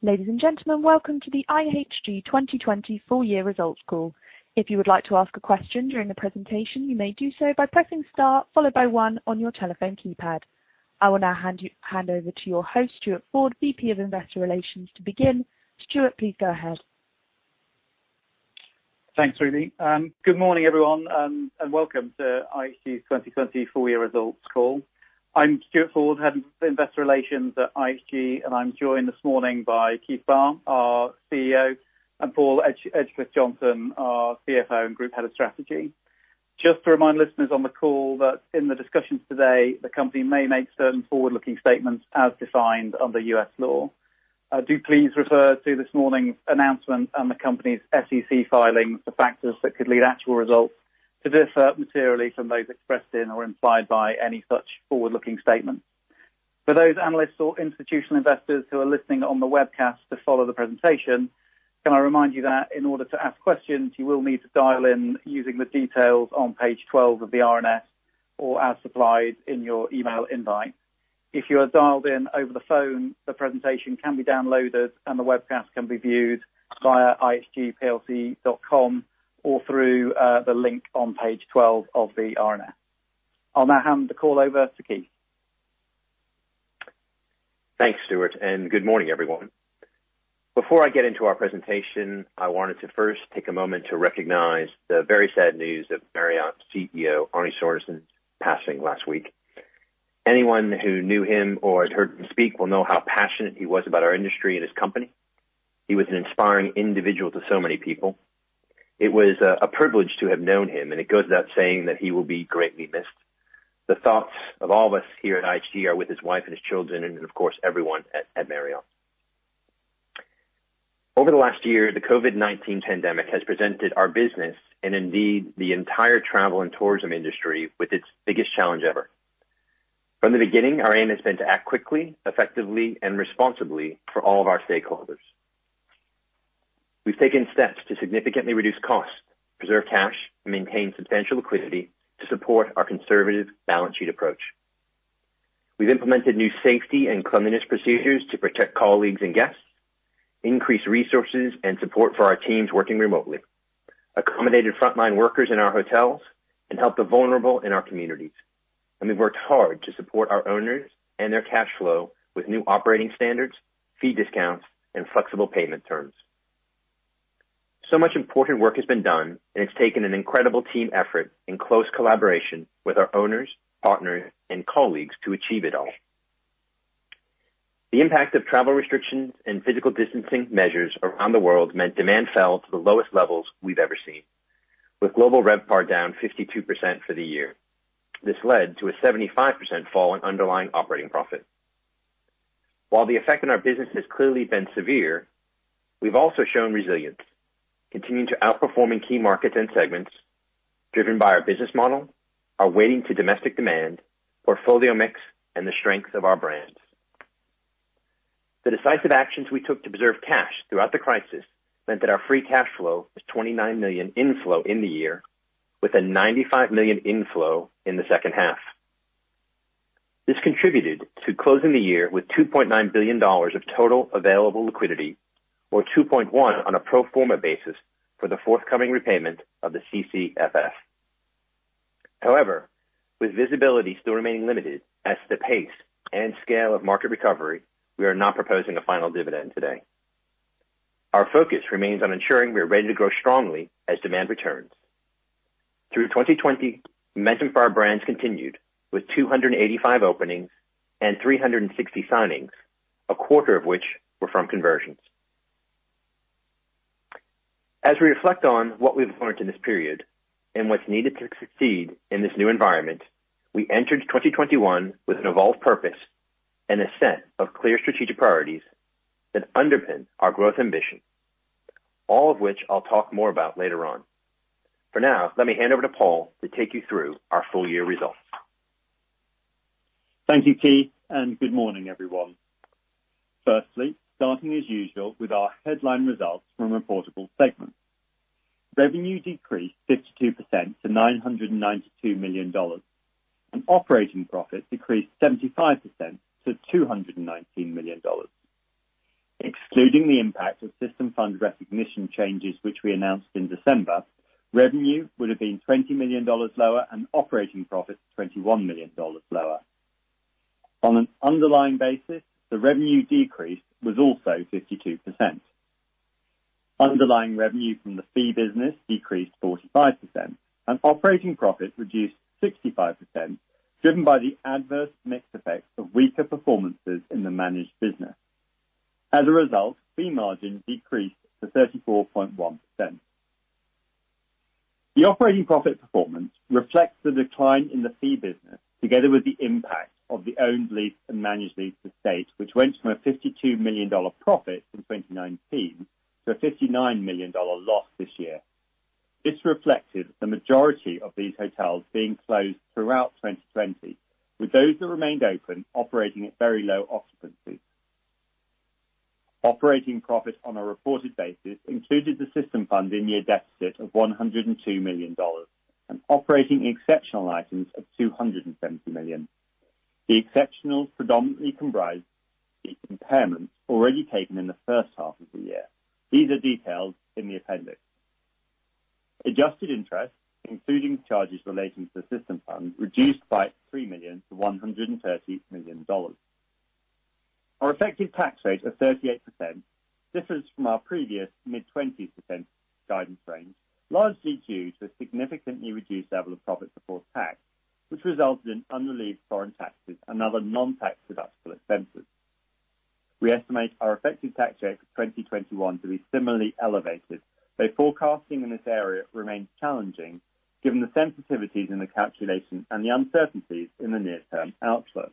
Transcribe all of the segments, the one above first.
Ladies and gentlemen, welcome to the IHG 2020 full-year results call. I will now hand over to your host, Stuart Ford, VP of Investor Relations, to begin. Stuart, please go ahead. Thanks, Ruby. Good morning, everyone, welcome to IHG's 2020 full-year results call. I'm Stuart Ford, Head of Investor Relations at IHG, and I'm joined this morning by Keith Barr, our CEO, and Paul Edgecliffe-Johnson, our CFO and Group Head of Strategy. Just to remind listeners on the call that in the discussions today, the company may make certain forward-looking statements as defined under U.S. law. Do please refer to this morning's announcement and the company's SEC filings for factors that could lead actual results to differ materially from those expressed in or implied by any such forward-looking statements. For those analysts or institutional investors who are listening on the webcast to follow the presentation, can I remind you that in order to ask questions, you will need to dial in using the details on page 12 of the RNS or as supplied in your email invite. If you are dialed in over the phone, the presentation can be downloaded, and the webcast can be viewed via ihgplc.com or through the link on page 12 of the RNS. I'll now hand the call over to Keith. Thanks, Stuart, and good morning, everyone. Before I get into our presentation, I wanted to first take a moment to recognize the very sad news of Marriott CEO, Arne Sorenson's passing last week. Anyone who knew him or has heard him speak will know how passionate he was about our industry and his company. He was an inspiring individual to so many people. It was a privilege to have known him, and it goes without saying that he will be greatly missed. The thoughts of all of us here at IHG are with his wife and his children and of course, everyone at Marriott. Over the last year, the COVID-19 pandemic has presented our business and indeed the entire travel and tourism industry with its biggest challenge ever. From the beginning, our aim has been to act quickly, effectively, and responsibly for all of our stakeholders. We've taken steps to significantly reduce costs, preserve cash, and maintain substantial liquidity to support our conservative balance sheet approach. We've implemented new safety and cleanliness procedures to protect colleagues and guests, increased resources and support for our teams working remotely, accommodated frontline workers in our hotels, and helped the vulnerable in our communities. We've worked hard to support our owners and their cash flow with new operating standards, fee discounts, and flexible payment terms. Much important work has been done, and it's taken an incredible team effort in close collaboration with our owners, partners, and colleagues to achieve it all. The impact of travel restrictions and physical distancing measures around the world meant demand fell to the lowest levels we've ever seen, with global RevPAR down 52% for the year. This led to a 75% fall in underlying operating profit. While the effect on our business has clearly been severe, we have also shown resilience, continuing to outperform in key markets and segments driven by our business model, our weighting to domestic demand, portfolio mix, and the strength of our brands. The decisive actions we took to preserve cash throughout the crisis meant that our free cash flow was $29 million inflow in the year, with a $95 million inflow in the second half. This contributed to closing the year with $2.9 billion of total available liquidity or $2.1 billion on a pro forma basis for the forthcoming repayment of the CCFF. With visibility still remaining limited as to the pace and scale of market recovery, we are not proposing a final dividend today. Our focus remains on ensuring we are ready to grow strongly as demand returns. Through 2020, momentum for our brands continued with 285 openings and 360 signings, a quarter of which were from conversions. As we reflect on what we've learned in this period and what's needed to succeed in this new environment, we entered 2021 with an evolved purpose and a set of clear strategic priorities that underpin our growth ambition, all of which I'll talk more about later on. For now, let me hand over to Paul to take you through our full-year results. Thank you, Keith. Good morning, everyone. Firstly, starting as usual with our headline results from reportable segments. Revenue decreased 52% to $992 million. Operating profit decreased 75% to $219 million. Excluding the impact of system fund recognition changes, which we announced in December, revenue would have been $20 million lower and operating profit $21 million lower. On an underlying basis, the revenue decrease was also 52%. Underlying revenue from the fee business decreased 45%. Operating profit reduced 65%, driven by the adverse mix effects of weaker performances in the managed business. As a result, fee margin decreased to 34.1%. The operating profit performance reflects the decline in the fee business together with the impact of the owned lease and managed lease estate, which went from a $52 million profit in 2019 to a $59 million loss this year. This reflected the majority of these hotels being closed throughout 2020, with those that remained open operating at very low occupancy. Operating profit on a reported basis included the system fund in-year deficit of $102 million and operating exceptional items of $270 million. The exceptional predominantly comprised the impairment already taken in the first half of the year. These are detailed in the appendix. Adjusted interest, including charges relating to the system fund, reduced by $3 million to $130 million. Our effective tax rate of 38% differs from our previous mid-20% guidance range, largely due to a significantly reduced level of profit before tax, which resulted in unrelieved foreign taxes and other non-tax deductible expenses. We estimate our effective tax rate for 2021 to be similarly elevated, though forecasting in this area remains challenging given the sensitivities in the calculation and the uncertainties in the near-term outlook.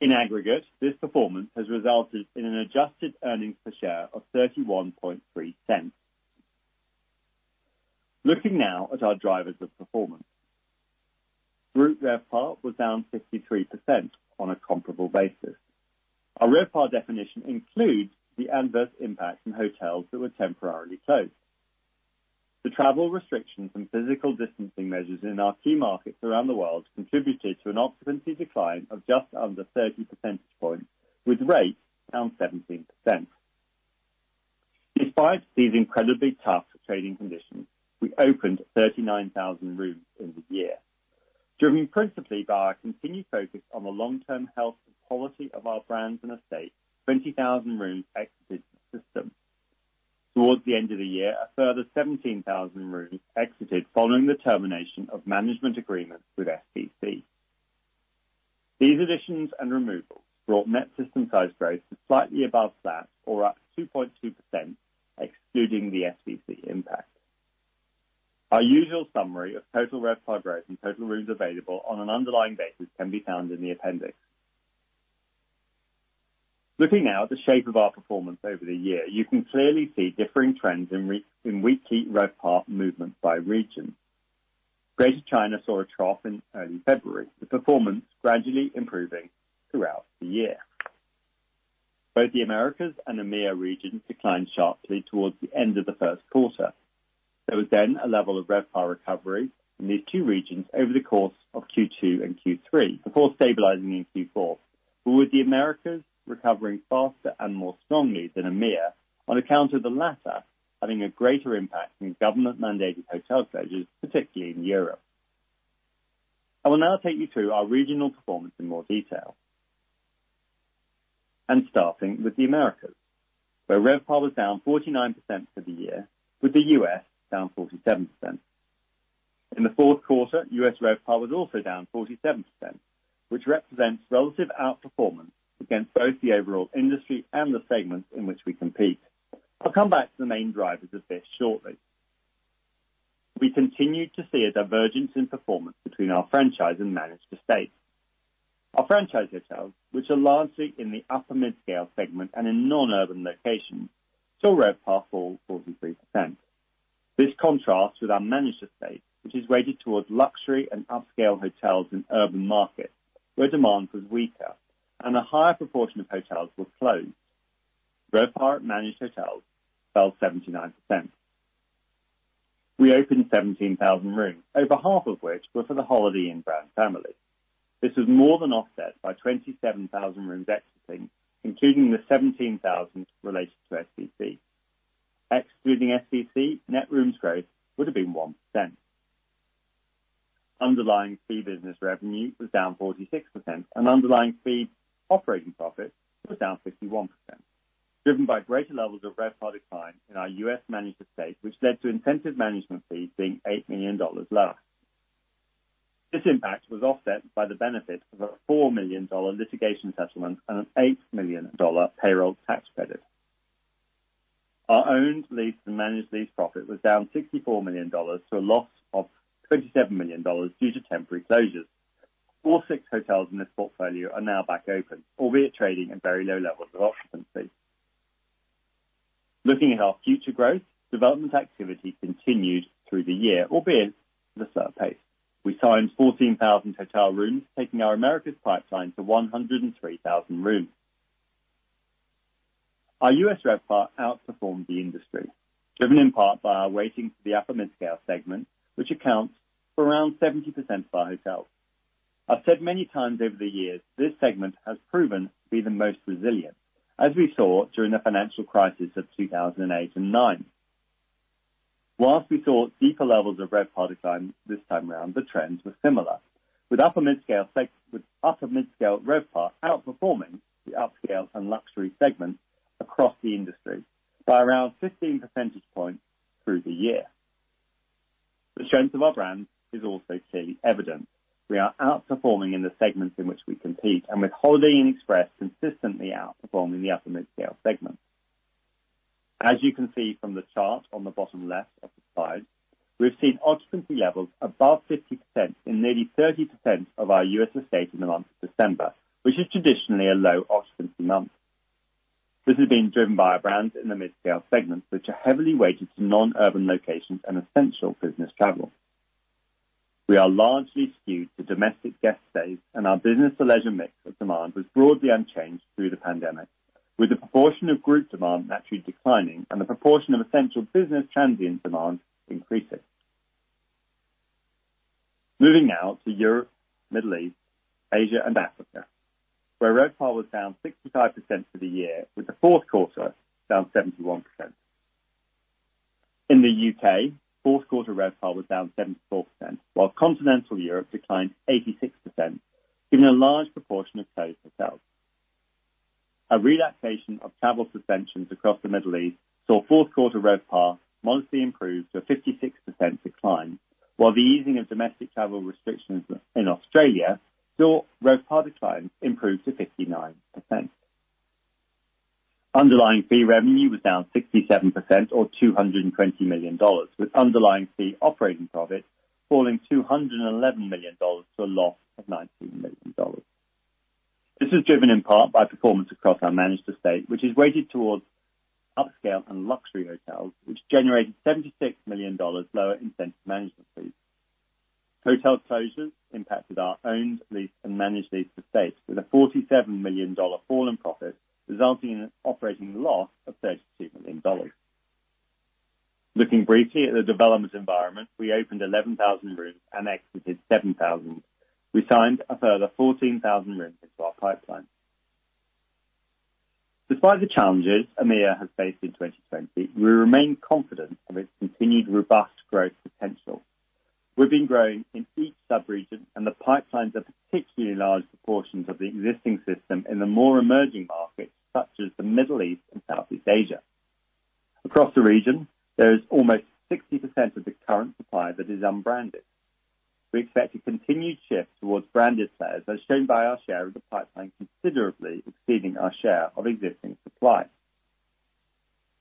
In aggregate, this performance has resulted in an adjusted earnings per share of $31.3. Looking now at our drivers of performance. Group RevPAR was down 53% on a comparable basis. Our RevPAR definition includes the adverse impact from hotels that were temporarily closed. The travel restrictions and physical distancing measures in our key markets around the world contributed to an occupancy decline of just under 30 percentage points, with rates down 17%. Despite these incredibly tough trading conditions, we opened 39,000 rooms in the year. Driven principally by our continued focus on the long-term health and quality of our brands and estate, 20,000 rooms exited the system. Towards the end of the year, a further 17,000 rooms exited following the termination of management agreements with SVC. These additions and removals brought net system size growth to slightly above flat or up 2.2%, excluding the SVC impact. Our usual summary of total RevPAR growth and total rooms available on an underlying basis can be found in the appendix. Looking now at the shape of our performance over the year, you can clearly see differing trends in weekly RevPAR movements by region. Greater China saw a trough in early February, with performance gradually improving throughout the year. Both the Americas and EMEA regions declined sharply towards the end of the first quarter. There was then a level of RevPAR recovery in these two regions over the course of Q2 and Q3, before stabilizing in Q4, with the Americas recovering faster and more strongly than EMEA on account of the latter having a greater impact from government-mandated hotel closures, particularly in Europe. I will now take you through our regional performance in more detail. Starting with the Americas, where RevPAR was down 49% for the year, with the U.S. down 47%. In the fourth quarter, U.S. RevPAR was also down 47%, which represents relative outperformance against both the overall industry and the segments in which we compete. I'll come back to the main drivers of this shortly. We continued to see a divergence in performance between our franchise and managed estate. Our franchise hotels, which are largely in the upper mid-scale segment and in non-urban locations, saw RevPAR fall 43%. This contrasts with our managed estate, which is weighted towards luxury and upscale hotels in urban markets where demand was weaker and a higher proportion of hotels were closed. RevPAR at managed hotels fell 79%. We opened 17,000 rooms, over half of which were for the Holiday Inn brand family. This was more than offset by 27,000 rooms exiting, including the 17,000 related to SVC. Excluding SVC, net rooms growth would have been 1%. Underlying fee business revenue was down 46%, and underlying fee operating profit was down 51%, driven by greater levels of RevPAR decline in our U.S. managed estate, which led to incentive management fees being $8 million lower. This impact was offset by the benefit of a $4 million litigation settlement and an $8 million payroll tax credit. Our owned, leased, and managed lease profit was down $64 million to a loss of $27 million due to temporary closures. All six hotels in this portfolio are now back open, albeit trading at very low levels of occupancy. Looking at our future growth, development activity continued through the year, albeit at a slower pace. We signed 14,000 hotel rooms, taking our Americas pipeline to 103,000 rooms. Our U.S. RevPAR outperformed the industry, driven in part by our weighting to the upper mid-scale segment, which accounts for around 70% of our hotels. I've said many times over the years, this segment has proven to be the most resilient, as we saw during the financial crisis of 2008 and 2009. Whilst we saw deeper levels of RevPAR decline this time around, the trends were similar, with upper mid-scale RevPAR outperforming the upscale and luxury segments across the industry by around 15 percentage points through the year. The strength of our brands is also clearly evident. We are outperforming in the segments in which we compete, and with Holiday Inn Express consistently outperforming the upper mid-scale segment. As you can see from the chart on the bottom left of the slide, we've seen occupancy levels above 50% in nearly 30% of our U.S. estate in the month of December, which is traditionally a low occupancy month. This has been driven by our brands in the mid-scale segments, which are heavily weighted to non-urban locations and essential business travel. We are largely skewed to domestic guest stays, and our business to leisure mix of demand was broadly unchanged through the pandemic, with the proportion of group demand naturally declining and the proportion of essential business transient demand increasing. Moving now to Europe, Middle East, Asia, and Africa, where RevPAR was down 65% for the year with the fourth quarter down 71%. In the U.K., fourth quarter RevPAR was down 74%, while continental Europe declined 86%, giving a large proportion of closed hotels. A relaxation of travel suspensions across the Middle East saw fourth quarter RevPAR monthly improve to a 56% decline, while the easing of domestic travel restrictions in Australia saw RevPAR decline improve to 59%. Underlying fee revenue was down 67% or $220 million, with underlying fee operating profit falling $211 million to a loss of $19 million. This is driven in part by performance across our managed estate, which is weighted towards upscale and luxury hotels, which generated $76 million lower incentive management fees. Hotel closures impacted our owned lease and managed lease estate with a $47 million fall in profit, resulting in an operating loss of $32 million. Looking briefly at the development environment, we opened 11,000 rooms and exited 7,000. We signed a further 14,000 rooms into our pipeline. Despite the challenges EMEA has faced in 2020, we remain confident of its continued robust growth potential. We've been growing in each sub-region. The pipelines are particularly large proportions of the existing system in the more emerging markets, such as the Middle East and Southeast Asia. Across the region, there is almost 60% of the current supply that is unbranded. We expect a continued shift towards branded players, as shown by our share of the pipeline considerably exceeding our share of existing supply.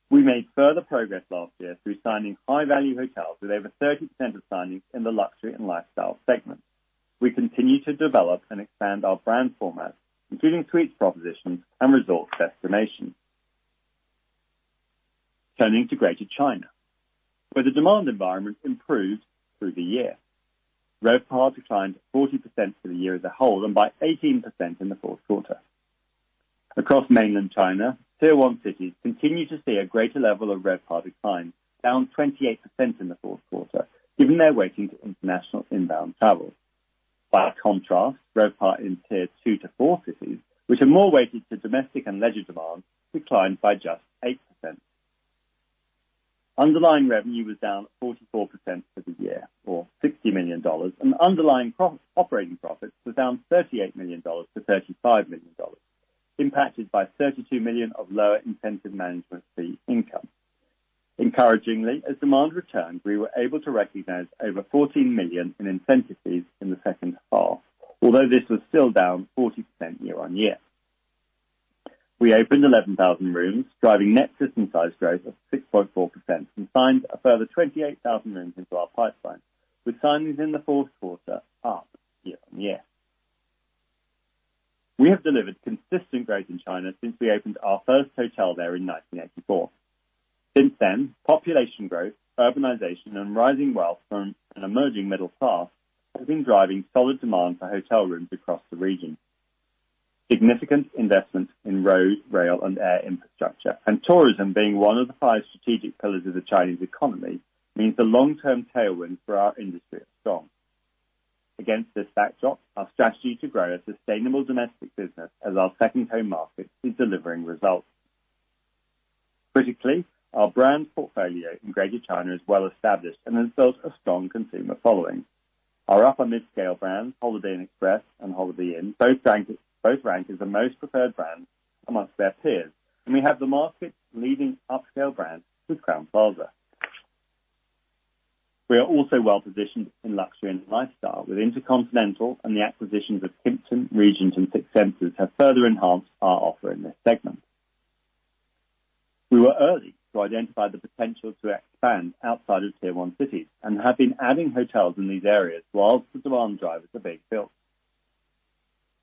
We made further progress last year through signing high-value hotels, with over 30% of signings in the luxury and lifestyle segments. We continue to develop and expand our brand format, including suite propositions and resort destinations. Turning to Greater China, where the demand environment improved through the year. RevPAR declined 40% for the year as a whole and by 18% in the fourth quarter. Across mainland China, tier 1 cities continue to see a greater level of RevPAR decline, down 28% in the fourth quarter, given their weighting to international inbound travel. By contrast, RevPAR in tier 2 to 4 cities, which are more weighted to domestic and leisure demand, declined by just 8%. Underlying revenue was down 44% for the year or $60 million, and underlying operating profits were down $38 million to $35 million, impacted by $32 million of lower incentive management fee income. Encouragingly, as demand returned, we were able to recognize over $14 million in incentive fees in the second half, although this was still down 40% year-on-year. We opened 11,000 rooms, driving net system size growth of 6.4% and signed a further 28,000 rooms into our pipeline, with signings in the fourth quarter up year-on-year. We have delivered consistent growth in China since we opened our first hotel there in 1984. Since then, population growth, urbanization, and rising wealth from an emerging middle class have been driving solid demand for hotel rooms across the region. Significant investments in road, rail, and air infrastructure and tourism being one of the five strategic pillars of the Chinese economy means the long-term tailwind for our industry is strong. Against this backdrop, our strategy to grow a sustainable domestic business as our second home market is delivering results. Critically, our brand portfolio in Greater China is well established and has built a strong consumer following. Our upper midscale brands, Holiday Inn Express and Holiday Inn, both rank as the most preferred brands amongst their peers, and we have the market's leading upscale brand with Crowne Plaza. We are also well-positioned in luxury and lifestyle with InterContinental and the acquisitions of Kimpton, Regent, and Six Senses have further enhanced our offer in this segment. We were early to identify the potential to expand outside of tier 1 cities and have been adding hotels in these areas whilst the demand drivers are being built.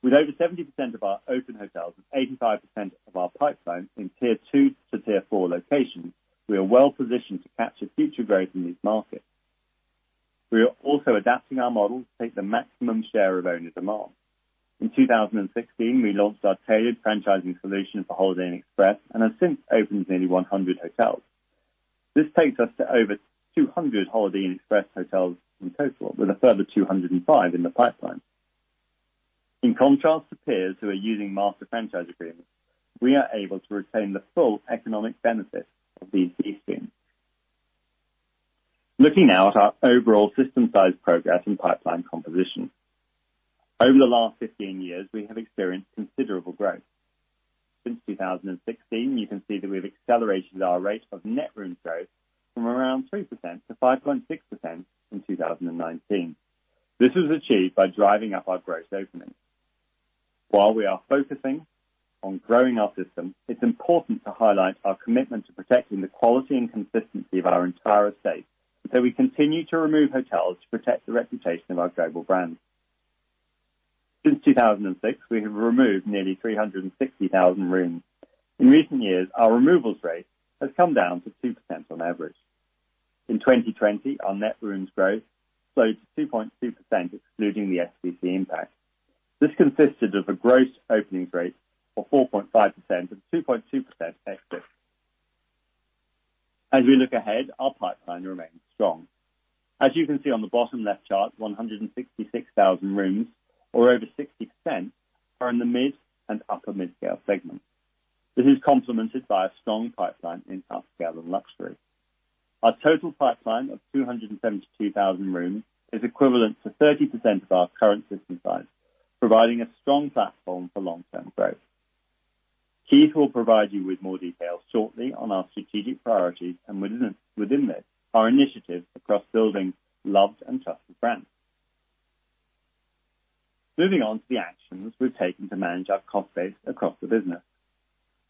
With over 70% of our open hotels and 85% of our pipeline in tier 2 to tier 4 locations, we are well positioned to capture future growth in these markets. We are also adapting our model to take the maximum share of owner demand. In 2016, we launched our tailored franchising solution for Holiday Inn Express and have since opened nearly 100 hotels. This takes us to over 200 Holiday Inn Express hotels in total, with a further 205 in the pipeline. In contrast to peers who are using master franchise agreements, we are able to retain the full economic benefit of these deals. Looking now at our overall system size progress and pipeline composition. Over the last 15 years, we have experienced considerable growth. Since 2016, you can see that we've accelerated our rate of net room growth from around 3%-5.6% in 2019. This was achieved by driving up our gross openings. While we are focusing on growing our system, it's important to highlight our commitment to protecting the quality and consistency of our entire estate so we continue to remove hotels to protect the reputation of our global brands. Since 2006, we have removed nearly 360,000 rooms. In recent years, our removals rate has come down to 2% on average. In 2020, our net rooms growth slowed to 2.2%, excluding the SVC impact. This consisted of a gross opening rate of 4.5% and 2.2% exits. As we look ahead, our pipeline remains strong. As you can see on the bottom left chart, 166,000 rooms, or over 60%, are in the mid and upper mid-scale segment. This is complemented by a strong pipeline in upper scale and luxury. Our total pipeline of 272,000 rooms is equivalent to 30% of our current system size, providing a strong platform for long-term growth. Keith will provide you with more details shortly on our strategic priorities and within this, our initiatives across building loved and trusted brands. Moving on to the actions we've taken to manage our cost base across the business.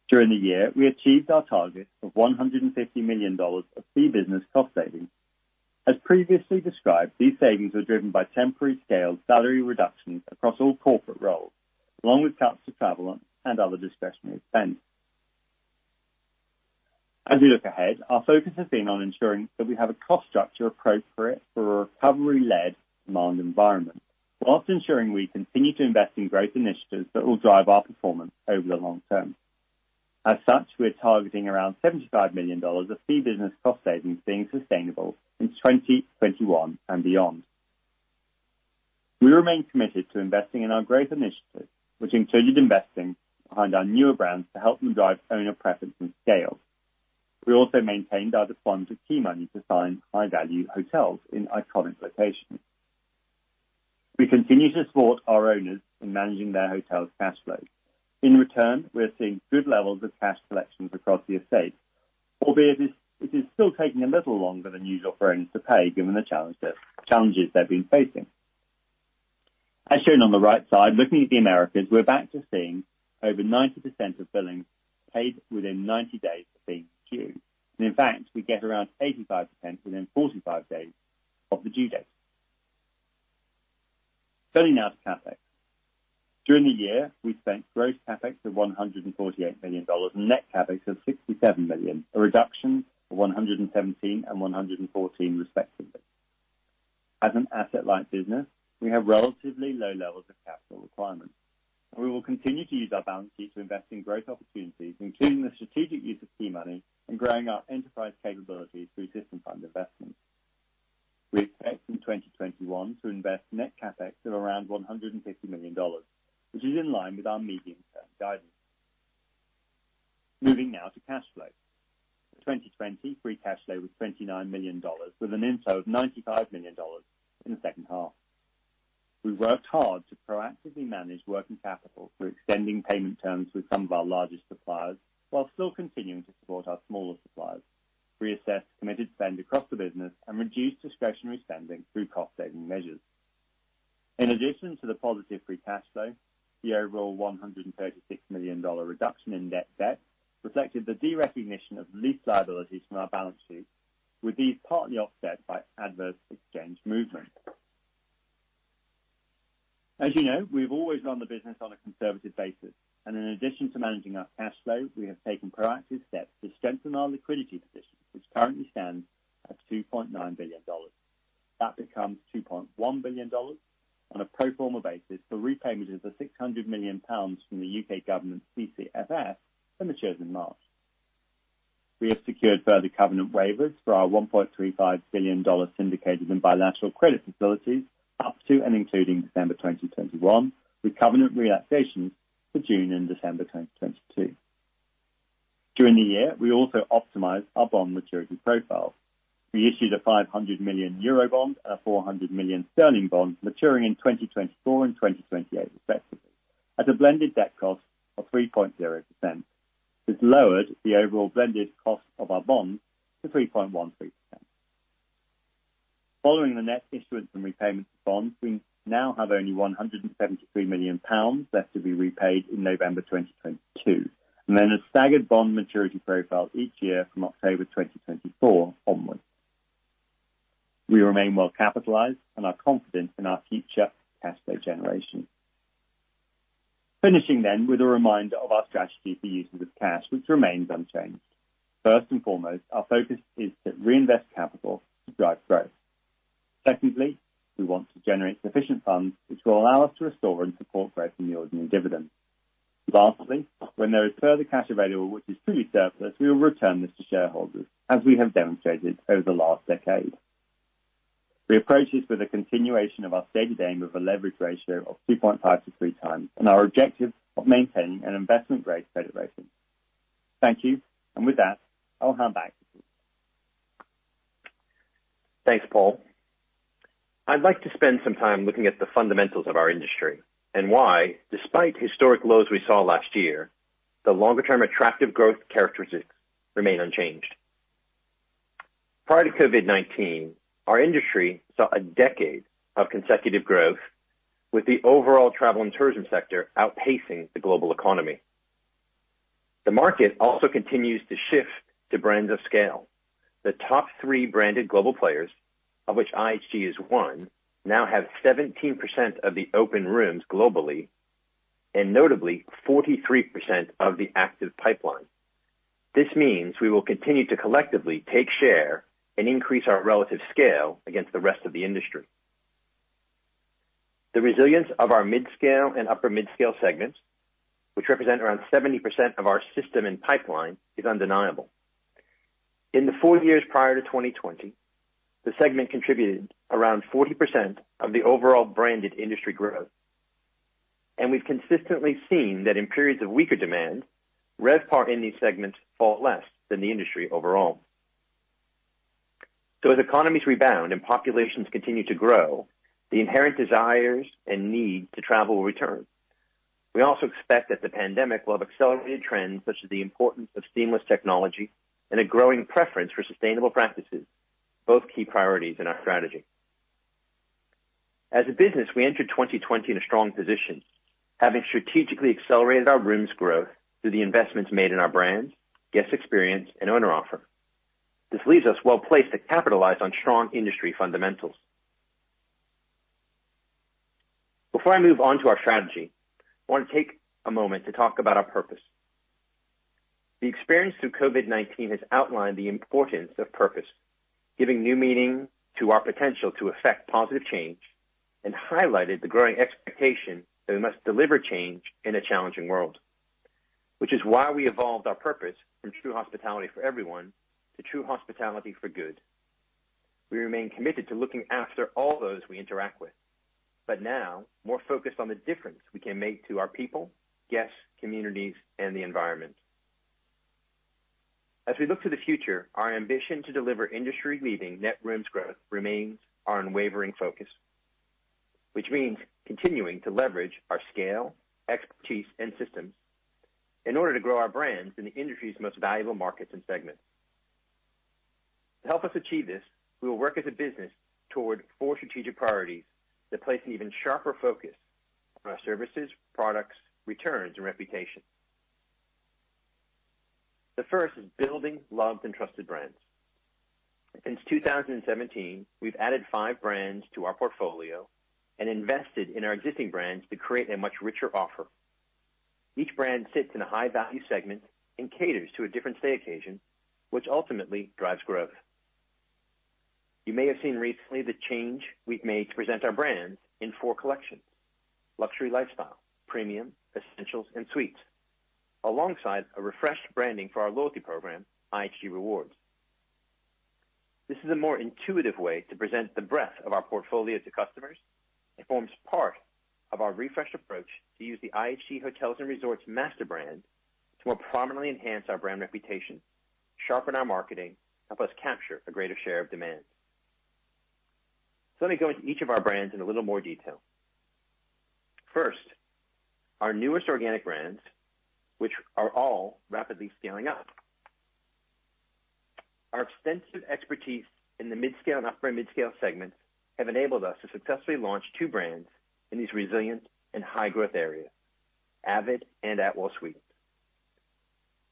During the year, we achieved our target of $150 million of fee business cost savings. As previously described, these savings are driven by temporary scaled salary reductions across all corporate roles, along with cuts to travel and other discretionary spend. As we look ahead, our focus has been on ensuring that we have a cost structure appropriate for a recovery-led demand environment, while ensuring we continue to invest in growth initiatives that will drive our performance over the long term. As such, we're targeting around $75 million of fee business cost savings being sustainable in 2021 and beyond. We remain committed to investing in our growth initiatives, which included investing behind our newer brands to help them drive owner preference and scale. We also maintained our discipline to key money to sign high-value hotels in iconic locations. We continue to support our owners in managing their hotel's cash flow. In return, we're seeing good levels of cash collections across the estate. Albeit, it is still taking a little longer than usual for owners to pay given the challenges they've been facing. As shown on the right side, looking at the Americas, we're back to seeing over 90% of billings paid within 90 days of being due. In fact, we get around 85% within 45 days of the due date. Turning now to CapEx. During the year, we spent gross CapEx of $148 million, net CapEx of $67 million, a reduction of $117 million and $114 million, respectively. As an asset-light business, we have relatively low levels of capital requirements. We will continue to use our balance sheet to invest in growth opportunities, including the strategic use of key money in growing our enterprise capabilities through system fund investments. We expect in 2021 to invest net CapEx of around $150 million, which is in line with our medium-term guidance. Moving now to cash flow. For 2020, free cash flow was $29 million, with an inflow of $95 million in the second half. We worked hard to proactively manage working capital through extending payment terms with some of our largest suppliers, while still continuing to support our smaller suppliers, reassess committed spend across the business, and reduce discretionary spending through cost-saving measures. In addition to the positive free cash flow, the overall $136 million reduction in net debt reflected the derecognition of lease liabilities from our balance sheet, with these partly offset by adverse exchange movement. As you know, we've always run the business on a conservative basis, and in addition to managing our cash flow, we have taken proactive steps to strengthen our liquidity position, which currently stands at $2.9 billion. That becomes $2.1 billion on a pro forma basis for repayments of 600 million pounds from the U.K. Government's CCFF in the year to March. We have secured further covenant waivers for our $1.35 billion syndicated and bilateral credit facilities up to and including December 2021, with covenant relaxation for June and December 2022. During the year, we also optimized our bond maturity profile. We issued a 500 million euro bond and a 400 million sterling bond maturing in 2024 and 2028 respectively, at a blended debt cost of 3.0%, which lowered the overall blended cost of our bonds to 3.13%. Following the net issuance and repayments of bonds, we now have only 173 million pounds left to be repaid in November 2022 and then a staggered bond maturity profile each year from October 2024 onwards. We remain well capitalized and are confident in our future cash flow generation. Finishing with a reminder of our strategy for using of cash, which remains unchanged. First and foremost, our focus is to reinvest capital to drive growth. Secondly, we want to generate sufficient funds which will allow us to restore and support growth in the ordinary dividend. Lastly, when there is further cash available which is truly surplus, we will return this to shareholders, as we have demonstrated over the last decade. We approach this with a continuation of our stated aim of a leverage ratio of 2.5 to 3x and our objective of maintaining an investment-grade credit rating. Thank you. With that, I'll hand back to Keith. Thanks, Paul. I'd like to spend some time looking at the fundamentals of our industry and why, despite historic lows we saw last year, the longer-term attractive growth characteristics remain unchanged. Prior to COVID-19, our industry saw a decade of consecutive growth with the overall travel and tourism sector outpacing the global economy. The market also continues to shift to brands of scale. The top three branded global players, of which IHG is one, now have 17% of the open rooms globally, and notably, 43% of the active pipeline. This means we will continue to collectively take share and increase our relative scale against the rest of the industry. The resilience of our mid-scale and upper mid-scale segments, which represent around 70% of our system and pipeline, is undeniable. In the four years prior to 2020, the segment contributed around 40% of the overall branded industry growth. We've consistently seen that in periods of weaker demand, RevPAR in these segments fall less than the industry overall. As economies rebound and populations continue to grow, the inherent desires and need to travel will return. We also expect that the pandemic will have accelerated trends such as the importance of seamless technology and a growing preference for sustainable practices, both key priorities in our strategy. As a business, we entered 2020 in a strong position, having strategically accelerated our rooms growth through the investments made in our brands, guest experience, and owner offer. This leaves us well-placed to capitalize on strong industry fundamentals. Before I move on to our strategy, I want to take a moment to talk about our purpose. The experience through COVID-19 has outlined the importance of purpose, giving new meaning to our potential to effect positive change, and highlighted the growing expectation that we must deliver change in a challenging world. Which is why we evolved our purpose from true hospitality for everyone to true hospitality for good. We remain committed to looking after all those we interact with, but now more focused on the difference we can make to our people, guests, communities, and the environment. As we look to the future, our ambition to deliver industry-leading net rooms growth remains our unwavering focus, which means continuing to leverage our scale, expertise, and systems in order to grow our brands in the industry's most valuable markets and segments. To help us achieve this, we will work as a business toward four strategic priorities that place an even sharper focus on our services, products, returns, and reputation. The first is building loved and trusted brands. Since 2017, we've added five brands to our portfolio and invested in our existing brands to create a much richer offer. Each brand sits in a high-value segment and caters to a different stay occasion, which ultimately drives growth. You may have seen recently the change we've made to present our brands in four collections: luxury lifestyle, premium, essentials, and suites, alongside a refreshed branding for our loyalty program, IHG Rewards. This is a more intuitive way to present the breadth of our portfolio to customers. It forms part of our refreshed approach to use the IHG Hotels & Resorts master brand to more prominently enhance our brand reputation, sharpen our marketing, help us capture a greater share of demand. Let me go into each of our brands in a little more detail. First, our newest organic brands, which are all rapidly scaling up. Our extensive expertise in the midscale and upper midscale segments have enabled us to successfully launch two brands in these resilient and high-growth areas, avid and Atwell Suites.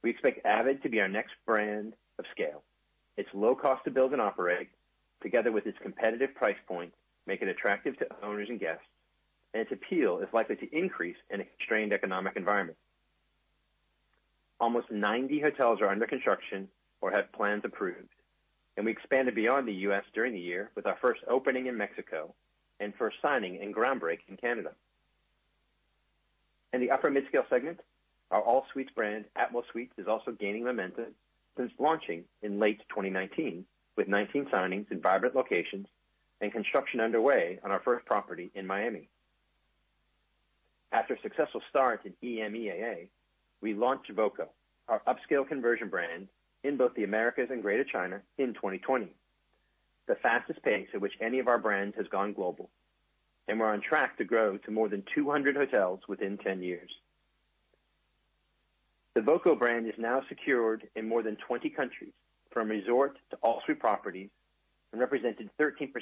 We expect avid to be our next brand of scale. Its low cost to build and operate, together with its competitive price point, make it attractive to owners and guests, and its appeal is likely to increase in a constrained economic environment. Almost 90 hotels are under construction or have plans approved, and we expanded beyond the U.S. during the year with our first opening in Mexico and first signing and ground break in Canada. In the upper midscale segment, our all-suites brand, Atwell Suites, is also gaining momentum since launching in late 2019, with 19 signings in vibrant locations and construction underway on our first property in Miami. After a successful start in EMEA, we launched voco, our upscale conversion brand, in both the Americas and Greater China in 2020, the fastest pace at which any of our brands has gone global. We're on track to grow to more than 200 hotels within 10 years. The voco brand is now secured in more than 20 countries from resort to all suite properties and represented 13%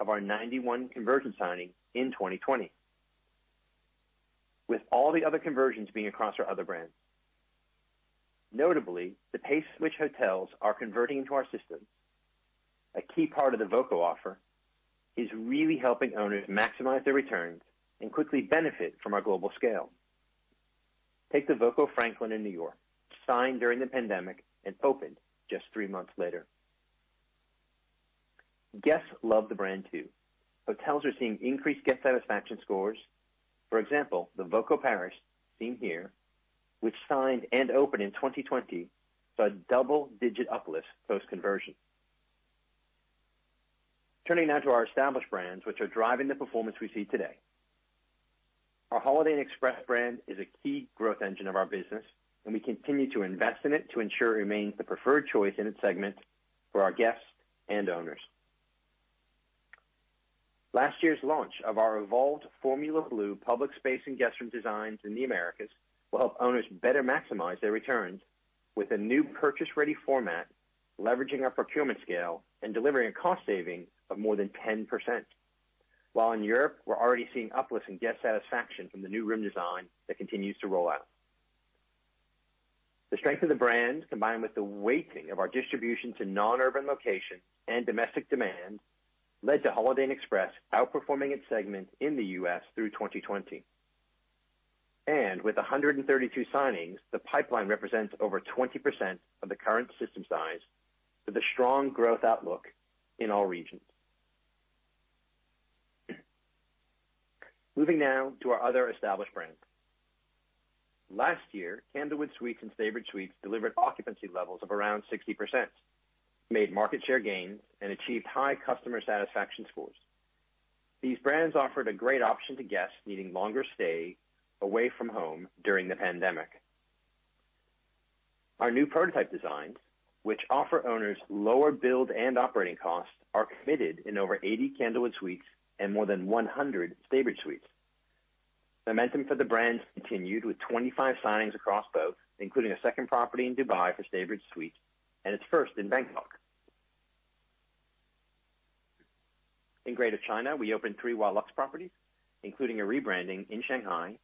of our 91 conversion signings in 2020. With all the other conversions being across our other brands. Notably, the pace which hotels are converting into our system, a key part of the voco offer, is really helping owners maximize their returns and quickly benefit from our global scale. Take the voco Franklin in New York, signed during the pandemic and opened just three months later. Guests love the brand too. Hotels are seeing increased guest satisfaction scores. For example, the voco Paris, seen here, which signed and opened in 2020, saw a double-digit uplift post-conversion. Turning now to our established brands, which are driving the performance we see today. Our Holiday Express brand is a key growth engine of our business, and we continue to invest in it to ensure it remains the preferred choice in its segment for our guests and owners. Last year's launch of our evolved Formula Blue public space and guest room designs in the Americas will help owners better maximize their returns with a new purchase-ready format, leveraging our procurement scale and delivering a cost saving of more than 10%. While in Europe, we're already seeing uplift in guest satisfaction from the new room design that continues to roll out. The strength of the brand, combined with the weighting of our distribution to non-urban locations and domestic demand, led to Holiday Express outperforming its segment in the U.S. through 2020. With 132 signings, the pipeline represents over 20% of the current system size with a strong growth outlook in all regions. Moving now to our other established brands. Last year, Candlewood Suites and Staybridge Suites delivered occupancy levels of around 60%, made market share gains, and achieved high customer satisfaction scores. These brands offered a great option to guests needing longer stay away from home during the pandemic. Our new prototype designs, which offer owners lower build and operating costs, are committed in over 80 Candlewood Suites and more than 100 Staybridge Suites. Momentum for the brands continued with 25 signings across both, including a second property in Dubai for Staybridge Suites and its first in Bangkok. In Greater China, we opened three HUALUXE properties, including a rebranding in Shanghai,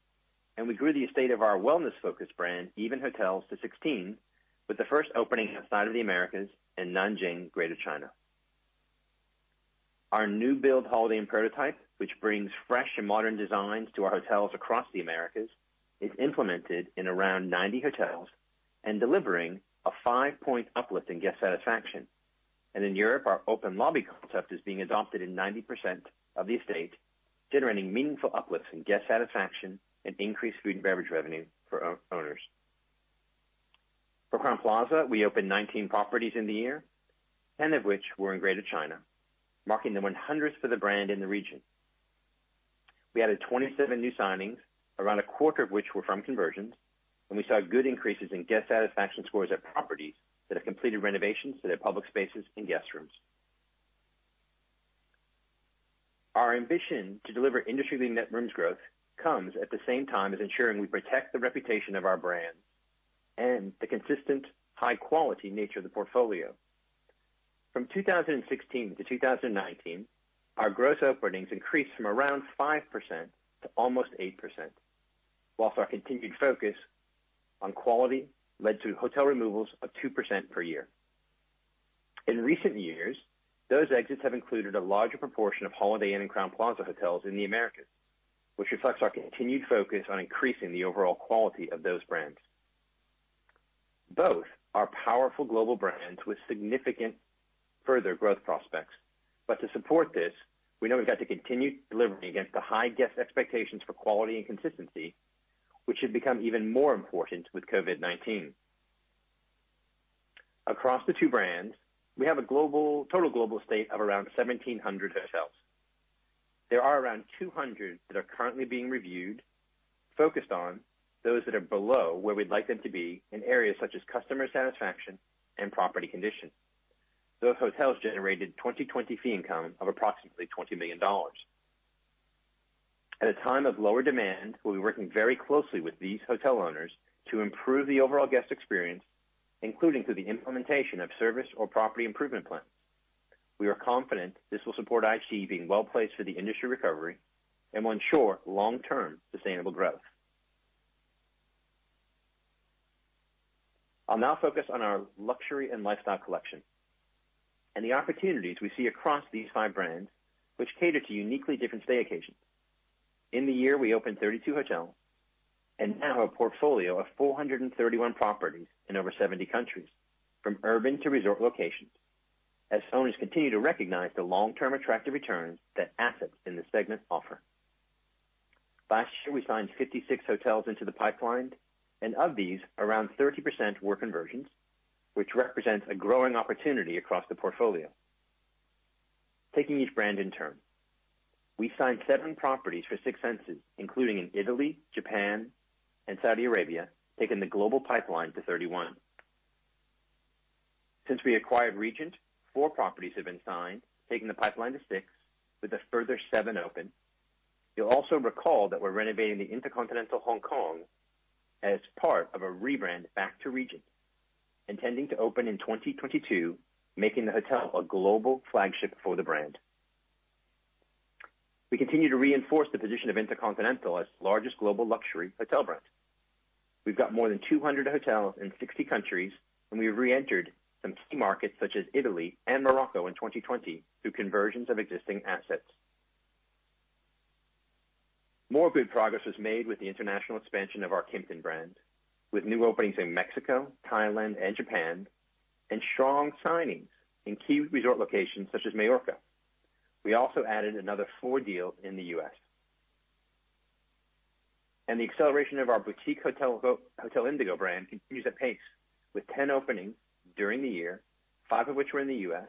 and we grew the estate of our wellness-focused brand, EVEN Hotels, to 16, with the first opening outside of the Americas in Nanjing, Greater China. Our new build Holiday Inn prototype, which brings fresh and modern designs to our hotels across the Americas, is implemented in around 90 hotels and delivering a five-point uplift in guest satisfaction. In Europe, our open lobby concept is being adopted in 90% of the estate, generating meaningful uplifts in guest satisfaction and increased food and beverage revenue for owners. For Crowne Plaza, we opened 19 properties in the year, 10 of which were in Greater China, marking the 100th for the brand in the region. We added 27 new signings, a quarter of which were from conversions. We saw good increases in guest satisfaction scores at properties that have completed renovations to their public spaces and guest rooms. Our ambition to deliver industry-leading net rooms growth comes at the same time as ensuring we protect the reputation of our brands and the consistent high-quality nature of the portfolio. From 2016 to 2019, our gross openings increased from around 5% to almost 8%, whilst our continued focus on quality led to hotel removals of 2% per year. In recent years, those exits have included a larger proportion of Holiday Inn and Crowne Plaza hotels in the Americas, which reflects our continued focus on increasing the overall quality of those brands. Both are powerful global brands with significant further growth prospects. To support this, we know we've got to continue delivering against the high guest expectations for quality and consistency, which has become even more important with COVID-19. Across the two brands, we have a total global estate of around 1,700 hotels. There are around 200 that are currently being reviewed, focused on those that are below where we'd like them to be in areas such as customer satisfaction and property condition. Those hotels generated 2020 fee income of approximately $20 million. At a time of lower demand, we'll be working very closely with these hotel owners to improve the overall guest experience, including through the implementation of service or property improvement plans. We are confident this will support IHG being well-placed for the industry recovery and will ensure long-term sustainable growth. I'll now focus on our Luxury & Lifestyle Collection and the opportunities we see across these five brands, which cater to uniquely different stay occasions. In the year, we opened 32 hotels and now have a portfolio of 431 properties in over 70 countries, from urban to resort locations, as owners continue to recognize the long-term attractive returns that assets in this segment offer. Last year, we signed 56 hotels into the pipeline, and of these, around 30% were conversions, which represents a growing opportunity across the portfolio. Taking each brand in turn. We signed seven properties for Six Senses, including in Italy, Japan, and Saudi Arabia, taking the global pipeline to 31. Since we acquired Regent, four properties have been signed, taking the pipeline to six, with a further seven open. You'll also recall that we're renovating the InterContinental Hong Kong as part of a rebrand back to Regent, intending to open in 2022, making the hotel a global flagship for the brand. We continue to reinforce the position of InterContinental as the largest global luxury hotel brand. We've got more than 200 hotels in 60 countries, we've reentered some key markets such as Italy and Morocco in 2020 through conversions of existing assets. More good progress was made with the international expansion of our Kimpton brand with new openings in Mexico, Thailand, and Japan, and strong signings in key resort locations such as Majorca. We also added another four deals in the U.S. The acceleration of our boutique Hotel Indigo brand continues apace with 10 openings during the year, five of which were in the U.S.,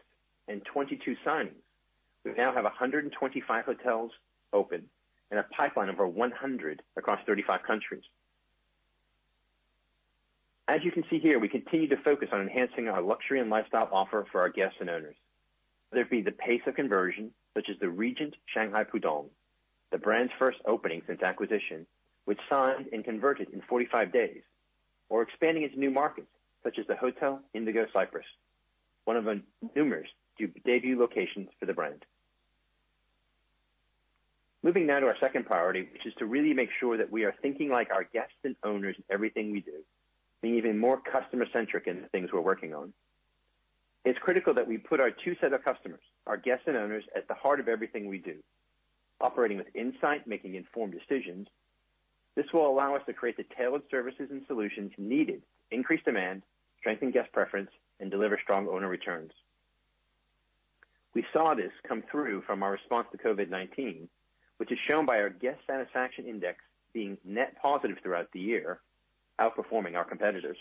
and 22 signings. We now have 125 hotels open and a pipeline of over 100 across 35 countries. As you can see here, we continue to focus on enhancing our luxury and lifestyle offer for our guests and owners, whether it be the pace of conversion, such as the Regent Shanghai Pudong. The brand's first opening since acquisition, which signed and converted in 45 days, or expanding into new markets such as the Hotel Indigo, Cyprus, one of numerous debut locations for the brand. Moving now to our second priority, which is to really make sure that we are thinking like our guests and owners in everything we do, being even more customer-centric in the things we're working on. It's critical that we put our two set of customers, our guests, and owners at the heart of everything we do, operating with insight, making informed decisions. This will allow us to create the tailored services and solutions needed to increase demand, strengthen guest preference, and deliver strong owner returns. We saw this come through from our response to COVID-19, which is shown by our guest satisfaction index being net positive throughout the year, outperforming our competitors.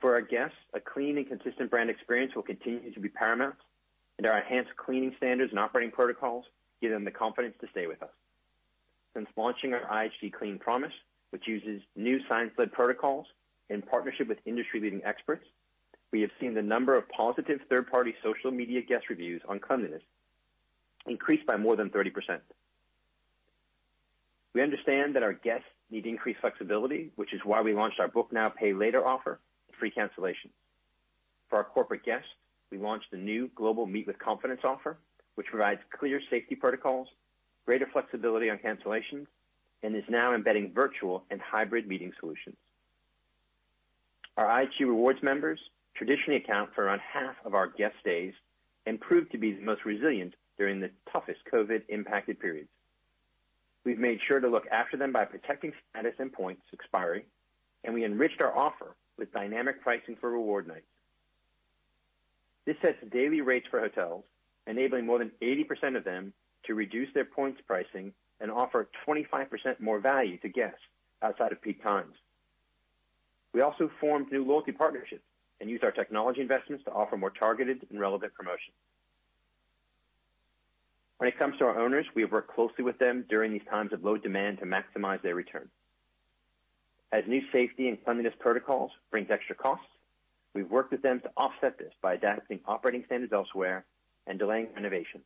For our guests, a clean and consistent brand experience will continue to be paramount, and our enhanced cleaning standards and operating protocols give them the confidence to stay with us. Since launching our IHG Clean Promise, which uses new science-led protocols in partnership with industry leading experts, we have seen the number of positive third-party social media guest reviews on cleanliness increase by more than 30%. We understand that our guests need increased flexibility, which is why we launched our Book Now, Pay Later offer with free cancellation. For our corporate guests, we launched the new global Meet with Confidence offer, which provides clear safety protocols, greater flexibility on cancellations, and is now embedding virtual and hybrid meeting solutions. Our IHG Rewards members traditionally account for around half of our guest stays and proved to be the most resilient during the toughest COVID impacted periods. We enriched our offer with dynamic pricing for reward nights. This sets daily rates for hotels, enabling more than 80% of them to reduce their points pricing and offer 25% more value to guests outside of peak times. We also formed new loyalty partnerships and used our technology investments to offer more targeted and relevant promotions. When it comes to our owners, we have worked closely with them during these times of low demand to maximize their return. As new safety and cleanliness protocols brings extra costs, we've worked with them to offset this by adapting operating standards elsewhere and delaying renovation,